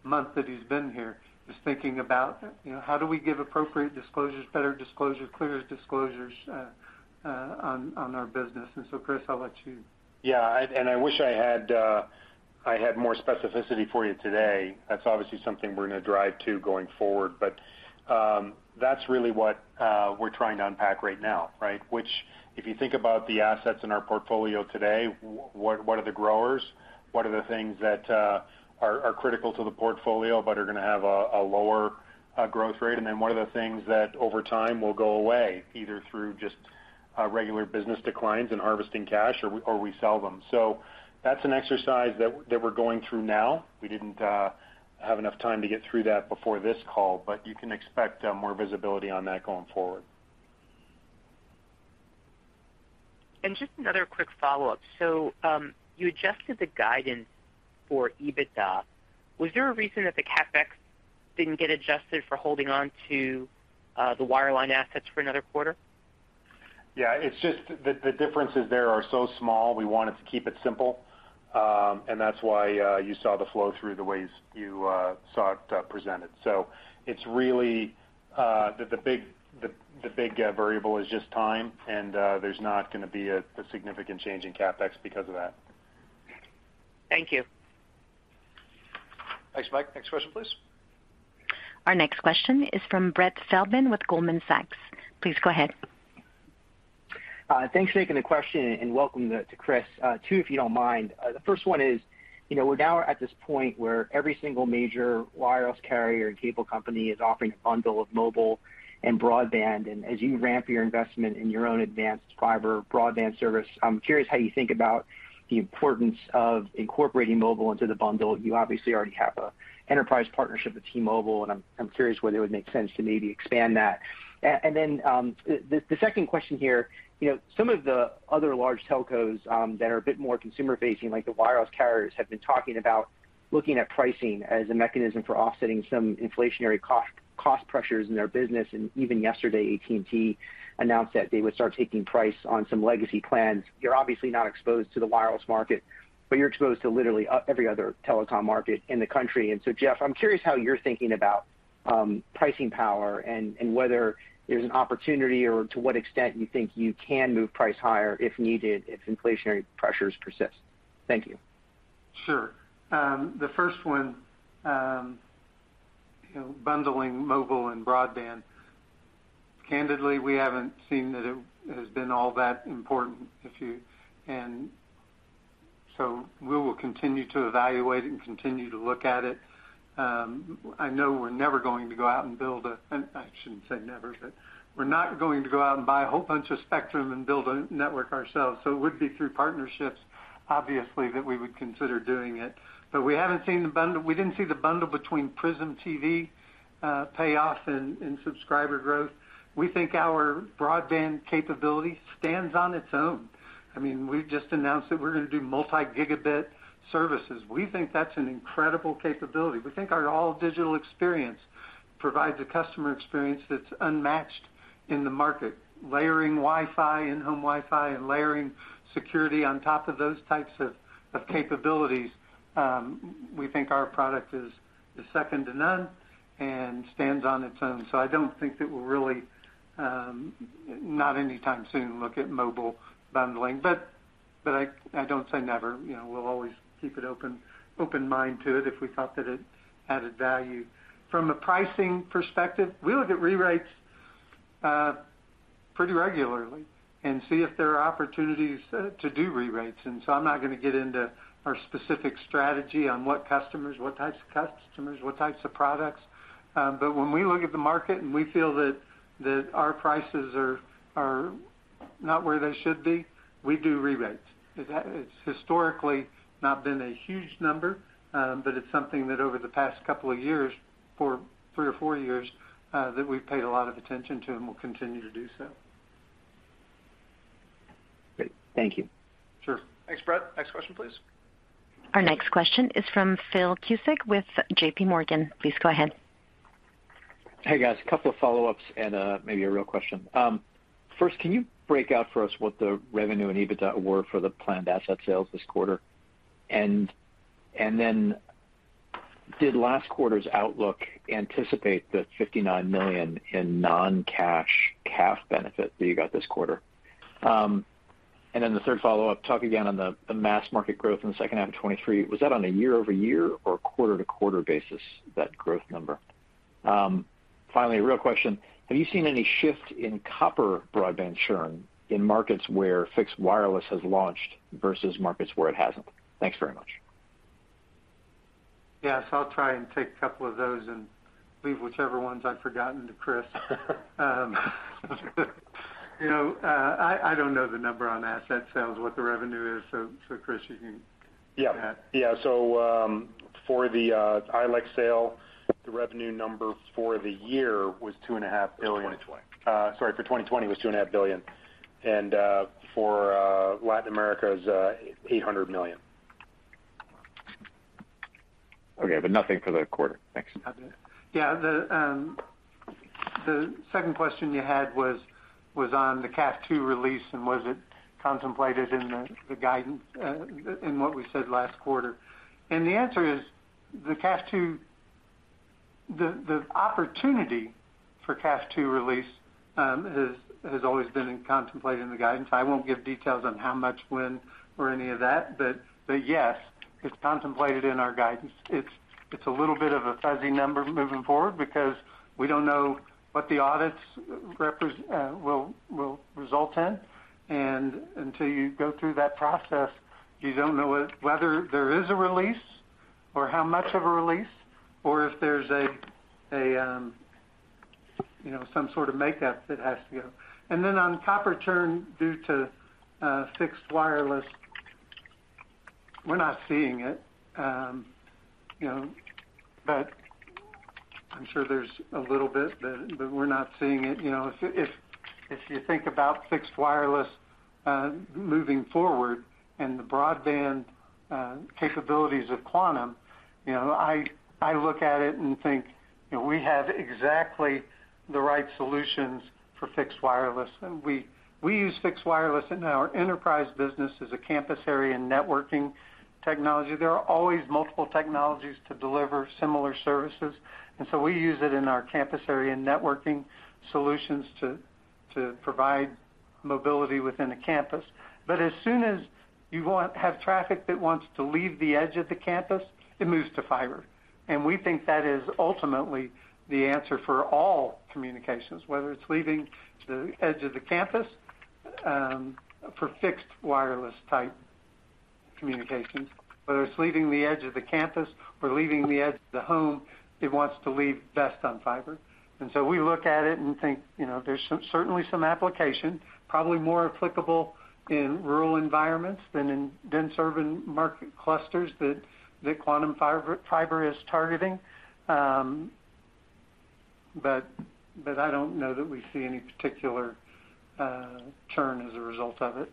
month that he's been here, just thinking about, you know, how do we give appropriate disclosures, better disclosure, clearer disclosures, on our business. Chris, I'll let you. Yeah. I wish I had more specificity for you today. That's obviously something we're gonna drive to going forward. That's really what we're trying to unpack right now, right? Which if you think about the assets in our portfolio today, what are the growers? What are the things that are critical to the portfolio but are gonna have a lower growth rate? Then what are the things that over time will go away, either through just regular business declines and harvesting cash, or we sell them. That's an exercise that we're going through now. We didn't have enough time to get through that before this call, but you can expect more visibility on that going forward. Just another quick follow-up. You adjusted the guidance for EBITDA. Was there a reason that the CapEx didn't get adjusted for holding on to the wireline assets for another quarter? Yeah. It's just the differences there are so small, we wanted to keep it simple. That's why you saw the flow through the way you saw it presented. It's really the big variable is just time, and there's not gonna be a significant change in CapEx because of that. Thank you. Thanks, Mike. Next question, please. Our next question is from Brett Feldman with Goldman Sachs. Please go ahead. Thanks for taking the question, and welcome to Chris. Two, if you don't mind. The first one is, you know, we're now at this point where every single major wireless carrier and cable company is offering a bundle of mobile and broadband. As you ramp your investment in your own advanced fiber broadband service, I'm curious how you think about the importance of incorporating mobile into the bundle. You obviously already have an enterprise partnership with T-Mobile, and I'm curious whether it would make sense to maybe expand that. The second question here. You know, some of the other large telcos that are a bit more consumer-facing, like the wireless carriers, have been talking about looking at pricing as a mechanism for offsetting some inflationary cost pressures in their business. Even yesterday, AT&T announced that they would start taking price on some legacy plans. You're obviously not exposed to the wireless market, but you're exposed to literally every other telecom market in the country. Jeff, I'm curious how you're thinking about pricing power and whether there's an opportunity, or to what extent you think you can move price higher if needed, if inflationary pressures persist. Thank you. Sure. The first one, you know, bundling mobile and broadband. Candidly, we haven't seen that it has been all that important and so we will continue to evaluate and continue to look at it. I know we're never going to go out and I shouldn't say never, but we're not going to go out and buy a whole bunch of spectrum and build a network ourselves. It would be through partnerships, obviously, that we would consider doing it. We haven't seen the bundle. We didn't see the bundle between Prism TV pay off in subscriber growth. We think our broadband capability stands on its own. I mean, we've just announced that we're gonna do multi-gigabit services. We think that's an incredible capability. We think our all-digital experience provides a customer experience that's unmatched in the market. Layering Wi-Fi, in-home Wi-Fi, and layering security on top of those types of capabilities, we think our product is second to none and stands on its own. I don't think that we'll really not anytime soon look at mobile bundling, but I don't say never. You know, we'll always keep an open mind to it if we thought that it added value. From a pricing perspective, we look at re-rates pretty regularly and see if there are opportunities to do re-rates. I'm not gonna get into our specific strategy on what customers, what types of customers, what types of products. When we look at the market and we feel that our prices are not where they should be, we do re-rates. It's historically not been a huge number, but it's something that over the past couple of years, for three or four years, that we've paid a lot of attention to and will continue to do so. Great. Thank you. Sure. Thanks, Brett. Next question, please. Our next question is from Phil Cusick with JPMorgan. Please go ahead. Hey, guys. A couple of follow-ups and maybe a real question. First, can you break out for us what the revenue and EBITDA were for the planned asset sales this quarter? Did last quarter's outlook anticipate the $59 million in non-cash CAF benefit that you got this quarter? The third follow-up, talk again on the mass market growth in the second half of 2023. Was that on a year-over-year or quarter-to-quarter basis, that growth number? Finally, a real question. Have you seen any shift in copper broadband churn in markets where fixed wireless has launched versus markets where it hasn't? Thanks very much. Yes, I'll try and take a couple of those and leave whichever ones I've forgotten to Chris. You know, I don't know the number on asset sales, what the revenue is. So Chris, you can- Yeah. -have that. For the ILEC sale, the revenue number for the year was $2.5 billion. For 2020. Sorry, for 2020 was $2 and a half billion. For Latin America is $800 million. Okay, nothing for the quarter. Thanks. Nothing. Yeah. The second question you had was on the CAF II release and was it contemplated in the guidance in what we said last quarter. The answer is the CAF II, the opportunity for CAF II release has always been contemplated in the guidance. I won't give details on how much, when, or any of that, but yes, it's contemplated in our guidance. It's a little bit of a fuzzy number moving forward because we don't know what the audits will result in. Until you go through that process, you don't know whether there is a release or how much of a release or if there's a you know, some sort of makeup that has to go. Then on copper churn due to fixed wireless, we're not seeing it. You know, I'm sure there's a little bit that, but we're not seeing it. You know, if you think about fixed wireless moving forward and the broadband capabilities of Quantum, you know, I look at it and think, you know, we have exactly the right solutions for fixed wireless. We use fixed wireless in our enterprise business as a campus area and networking technology. There are always multiple technologies to deliver similar services, and so we use it in our campus area and networking solutions to provide mobility within a campus. As soon as you have traffic that wants to leave the edge of the campus, it moves to fiber. We think that is ultimately the answer for all communications, whether it's leaving the edge of the campus for fixed wireless type communications, whether it's leaving the edge of the campus or leaving the edge of the home, it wants to leave best on fiber. We look at it and think, you know, there's certainly some application, probably more applicable in rural environments than in dense urban market clusters that Quantum Fiber is targeting. But I don't know that we see any particular churn as a result of it.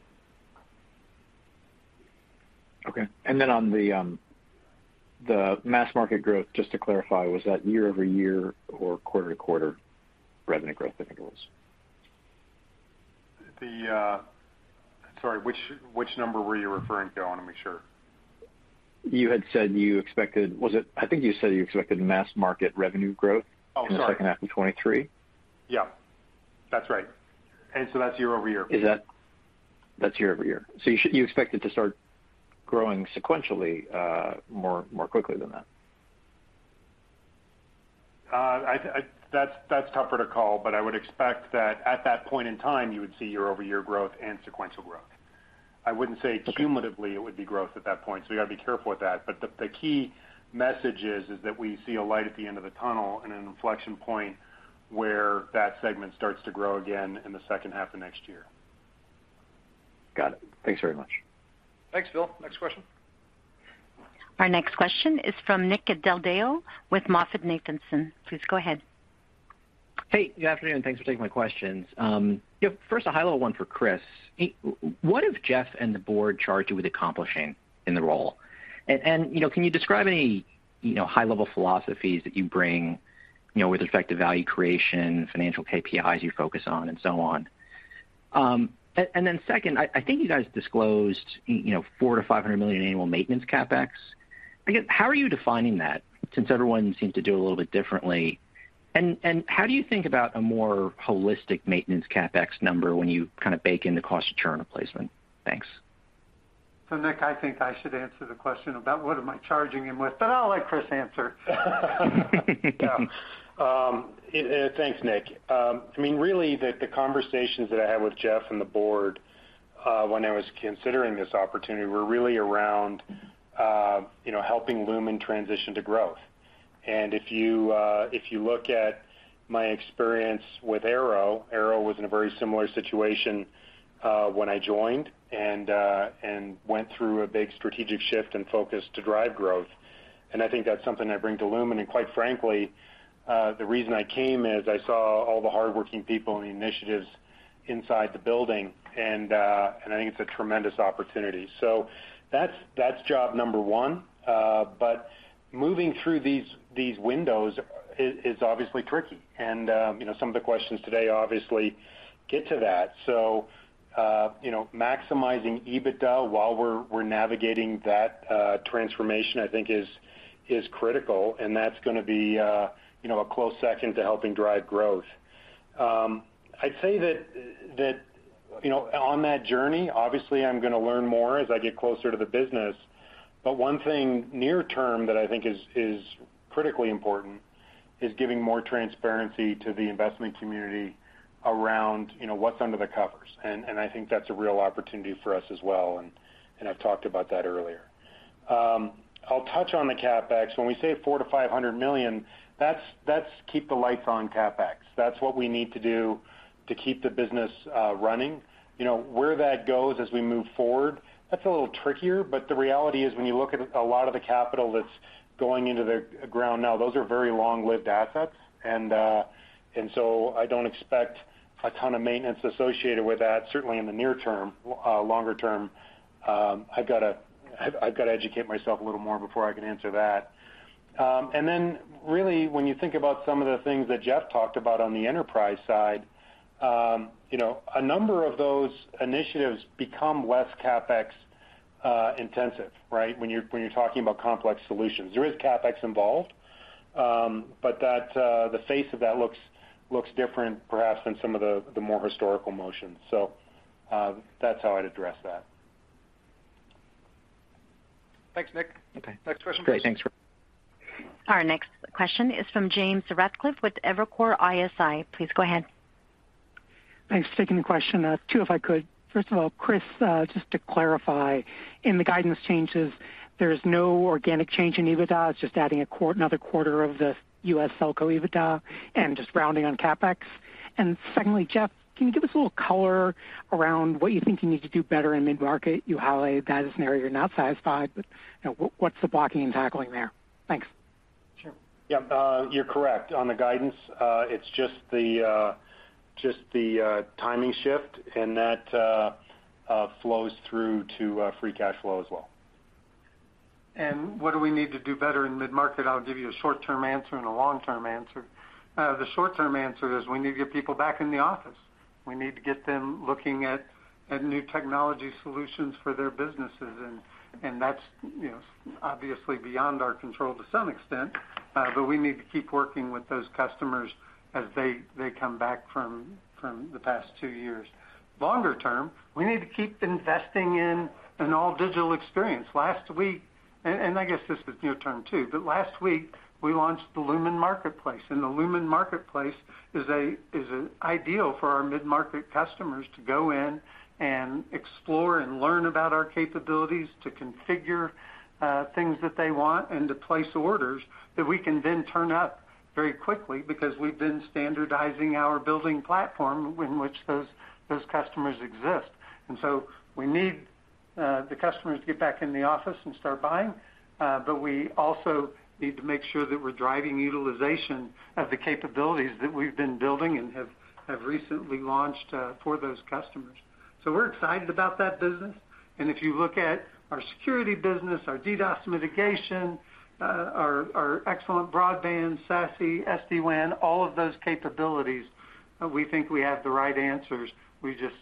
Okay. On the mass market growth, just to clarify, was that year-over-year or quarter-to-quarter revenue growth, I think it was? Sorry, which number were you referring to? I wanna make sure. I think you said you expected mass market revenue growth- Oh, sorry. -in the second half of 2023. Yeah. That's right. That's year-over-year. That's year-over-year. You expect it to start growing sequentially more quickly than that? That's tougher to call, but I would expect that at that point in time, you would see year-over-year growth and sequential growth. I wouldn't say cumulatively it would be growth at that point, so you gotta be careful with that. The key message is that we see a light at the end of the tunnel and an inflection point where that segment starts to grow again in the second half of next year. Got it. Thanks very much. Thanks, Phil. Next question. Our next question is from Nick Del Deo with MoffettNathanson. Please go ahead. Hey, good afternoon. Thanks for taking my questions. First a high-level one for Chris. Hey, what have Jeff and the board charged you with accomplishing in the role? And, you know, can you describe any, you know, high-level philosophies that you bring, you know, with respect to value creation, financial KPIs you focus on, and so on? And then second, I think you guys disclosed, you know, $400 million-$500 million annual maintenance CapEx. I guess, how are you defining that, since everyone seems to do it a little bit differently? And how do you think about a more holistic maintenance CapEx number when you kind of bake in the cost of churn replacement? Thanks. Nick, I think I should answer the question about what am I charging him with, but I'll let Chris answer. Yeah. Thanks, Nick. I mean, really, the conversations that I had with Jeff and the board when I was considering this opportunity were really around you know, helping Lumen transition to growth. If you look at my experience with Arrow was in a very similar situation when I joined and went through a big strategic shift and focus to drive growth. I think that's something I bring to Lumen. Quite frankly, the reason I came is I saw all the hardworking people and the initiatives inside the building, and I think it's a tremendous opportunity. That's job number one. Moving through these windows is obviously tricky. You know, some of the questions today obviously get to that. Maximizing EBITDA while we're navigating that transformation, I think is critical, and that's gonna be a close second to helping drive growth. I'd say that on that journey, obviously, I'm gonna learn more as I get closer to the business. One thing near term that I think is critically important is giving more transparency to the investment community around what's under the covers. I think that's a real opportunity for us as well, and I've talked about that earlier. I'll touch on the CapEx. When we say $400 million-$500 million, that's keep the lights on CapEx. That's what we need to do to keep the business running. You know, where that goes as we move forward, that's a little trickier. The reality is, when you look at a lot of the capital that's going into the ground now, those are very long-lived assets. I don't expect a ton of maintenance associated with that, certainly in the near term. Longer term, I've gotta educate myself a little more before I can answer that. Then really, when you think about some of the things that Jeff talked about on the enterprise side, you know, a number of those initiatives become less CapEx intensive, right? When you're talking about complex solutions. There is CapEx involved, but that, the face of that looks different perhaps than some of the more historical motions. That's how I'd address that. Thanks, Nick. Okay. Next question, please. Great. Thanks. Our next question is from James Ratcliffe with Evercore ISI. Please go ahead. Thanks for taking the question. Two, if I could. First of all, Chris, just to clarify, in the guidance changes, there is no organic change in EBITDA. It's just adding another quarter of the U.S. telco EBITDA and just rounding on CapEx. Secondly, Jeff, can you give us a little color around what you think you need to do better in mid-market? You highlighted that as an area you're not satisfied, but, you know, what's the blocking and tackling there? Thanks. Sure. Yeah, you're correct. On the guidance, it's just the timing shift, and that flows through to free cash flow as well. What do we need to do better in mid-market? I'll give you a short-term answer and a long-term answer. The short-term answer is we need to get people back in the office. We need to get them looking at new technology solutions for their businesses. And that's, you know, obviously beyond our control to some extent, but we need to keep working with those customers as they come back from the past two years. Longer term, we need to keep investing in an all digital experience. I guess this is near-term, too, but last week, we launched the Lumen Marketplace, and the Lumen Marketplace is ideal for our mid-market customers to go in and explore and learn about our capabilities, to configure things that they want and to place orders that we can then turn up very quickly because we've been standardizing our building platform in which those customers exist. We need the customers to get back in the office and start buying, but we also need to make sure that we're driving utilization of the capabilities that we've been building and have recently launched for those customers. We're excited about that business. If you look at our security business, our DDoS mitigation, our excellent broadband, SASE, SD-WAN, all of those capabilities, we think we have the right answers. We just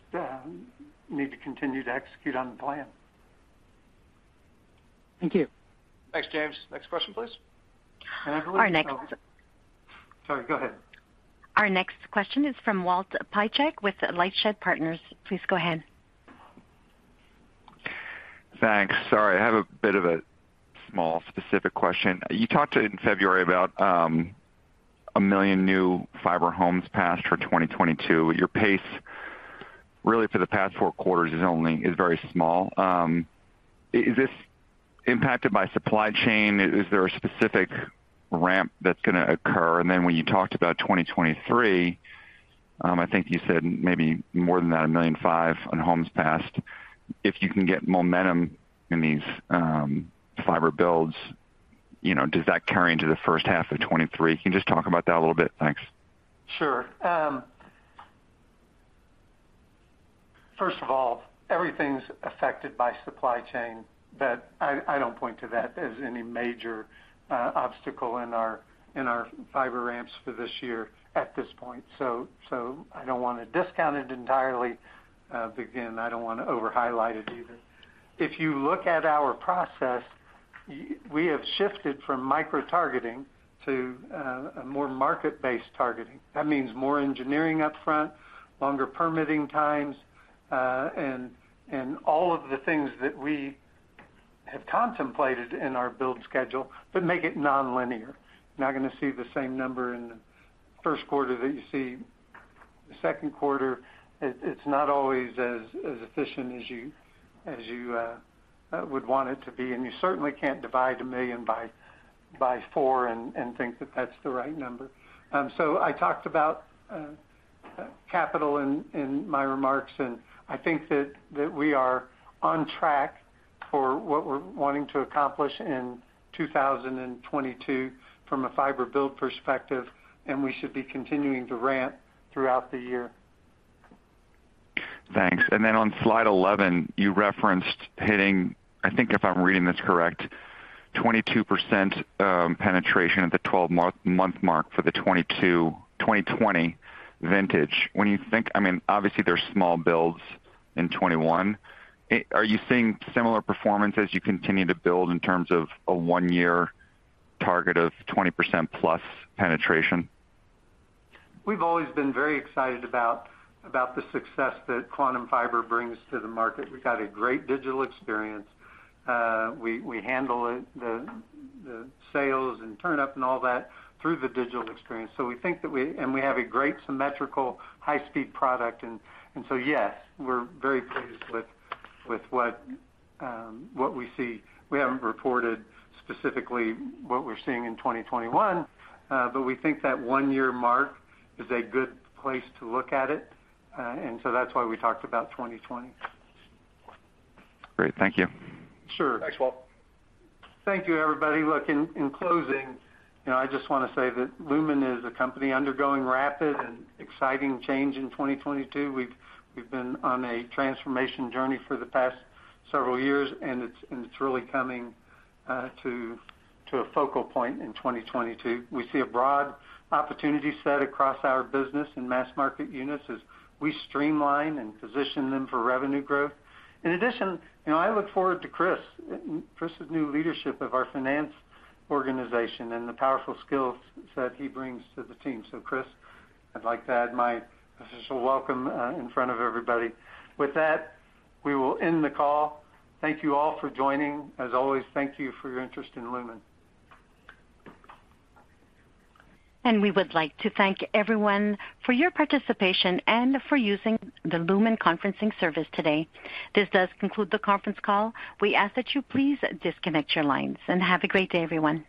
need to continue to execute on the plan. Thank you. Thanks, James. Next question, please. I believe. Our next- Sorry, go ahead. Our next question is from Walt Piecyk with LightShed Partners. Please go ahead. Thanks. Sorry, I have a bit of a small specific question. You talked in February about 1 million new fiber homes passed for 2022. Your pace really for the past four quarters is very small. Is this impacted by supply chain? Is there a specific ramp that's gonna occur? When you talked about 2023, I think you said maybe more than that, 1.5 million on homes passed. If you can get momentum in these fiber builds, you know, does that carry into the first half of 2023? Can you just talk about that a little bit? Thanks. Sure. First of all, everything's affected by supply chain, but I don't point to that as any major obstacle in our fiber ramps for this year at this point. I don't wanna discount it entirely, but again, I don't wanna over-highlight it either. If you look at our process, we have shifted from micro-targeting to a more market-based targeting. That means more engineering up front, longer permitting times, and all of the things that we have contemplated in our build schedule, but make it nonlinear. You're not gonna see the same number in the first quarter that you see in the second quarter. It's not always as efficient as you would want it to be. You certainly can't divide a million by four and think that that's the right number. I talked about capital in my remarks, and I think that we are on track for what we're wanting to accomplish in 2022 from a fiber build perspective, and we should be continuing to ramp throughout the year. Thanks. Then on slide 11, you referenced hitting, I think if I'm reading this correct, 22% penetration at the 12-month mark for the 2022 vintage. When you think, I mean, obviously, there's small builds in 2021. Are you seeing similar performance as you continue to build in terms of a 1-year target of 20%+ penetration? We've always been very excited about the success that Quantum Fiber brings to the market. We've got a great digital experience. We handle it, the sales and turn-up and all that through the digital experience. We think we have a great symmetrical high-speed product. Yes, we're very pleased with what we see. We haven't reported specifically what we're seeing in 2021, but we think that one-year mark is a good place to look at it. That's why we talked about 2020. Great. Thank you. Sure. Thanks, Walt. Thank you, everybody. Look, in closing, you know, I just wanna say that Lumen is a company undergoing rapid and exciting change in 2022. We've been on a transformation journey for the past several years, and it's really coming to a focal point in 2022. We see a broad opportunity set across our business and mass market units as we streamline and position them for revenue growth. In addition, you know, I look forward to Chris's new leadership of our finance organization and the powerful skills that he brings to the team. Chris, I'd like to add my official welcome in front of everybody. With that, we will end the call. Thank you all for joining. As always, thank you for your interest in Lumen. We would like to thank everyone for your participation and for using the Lumen conferencing service today. This does conclude the conference call. We ask that you please disconnect your lines. Have a great day, everyone.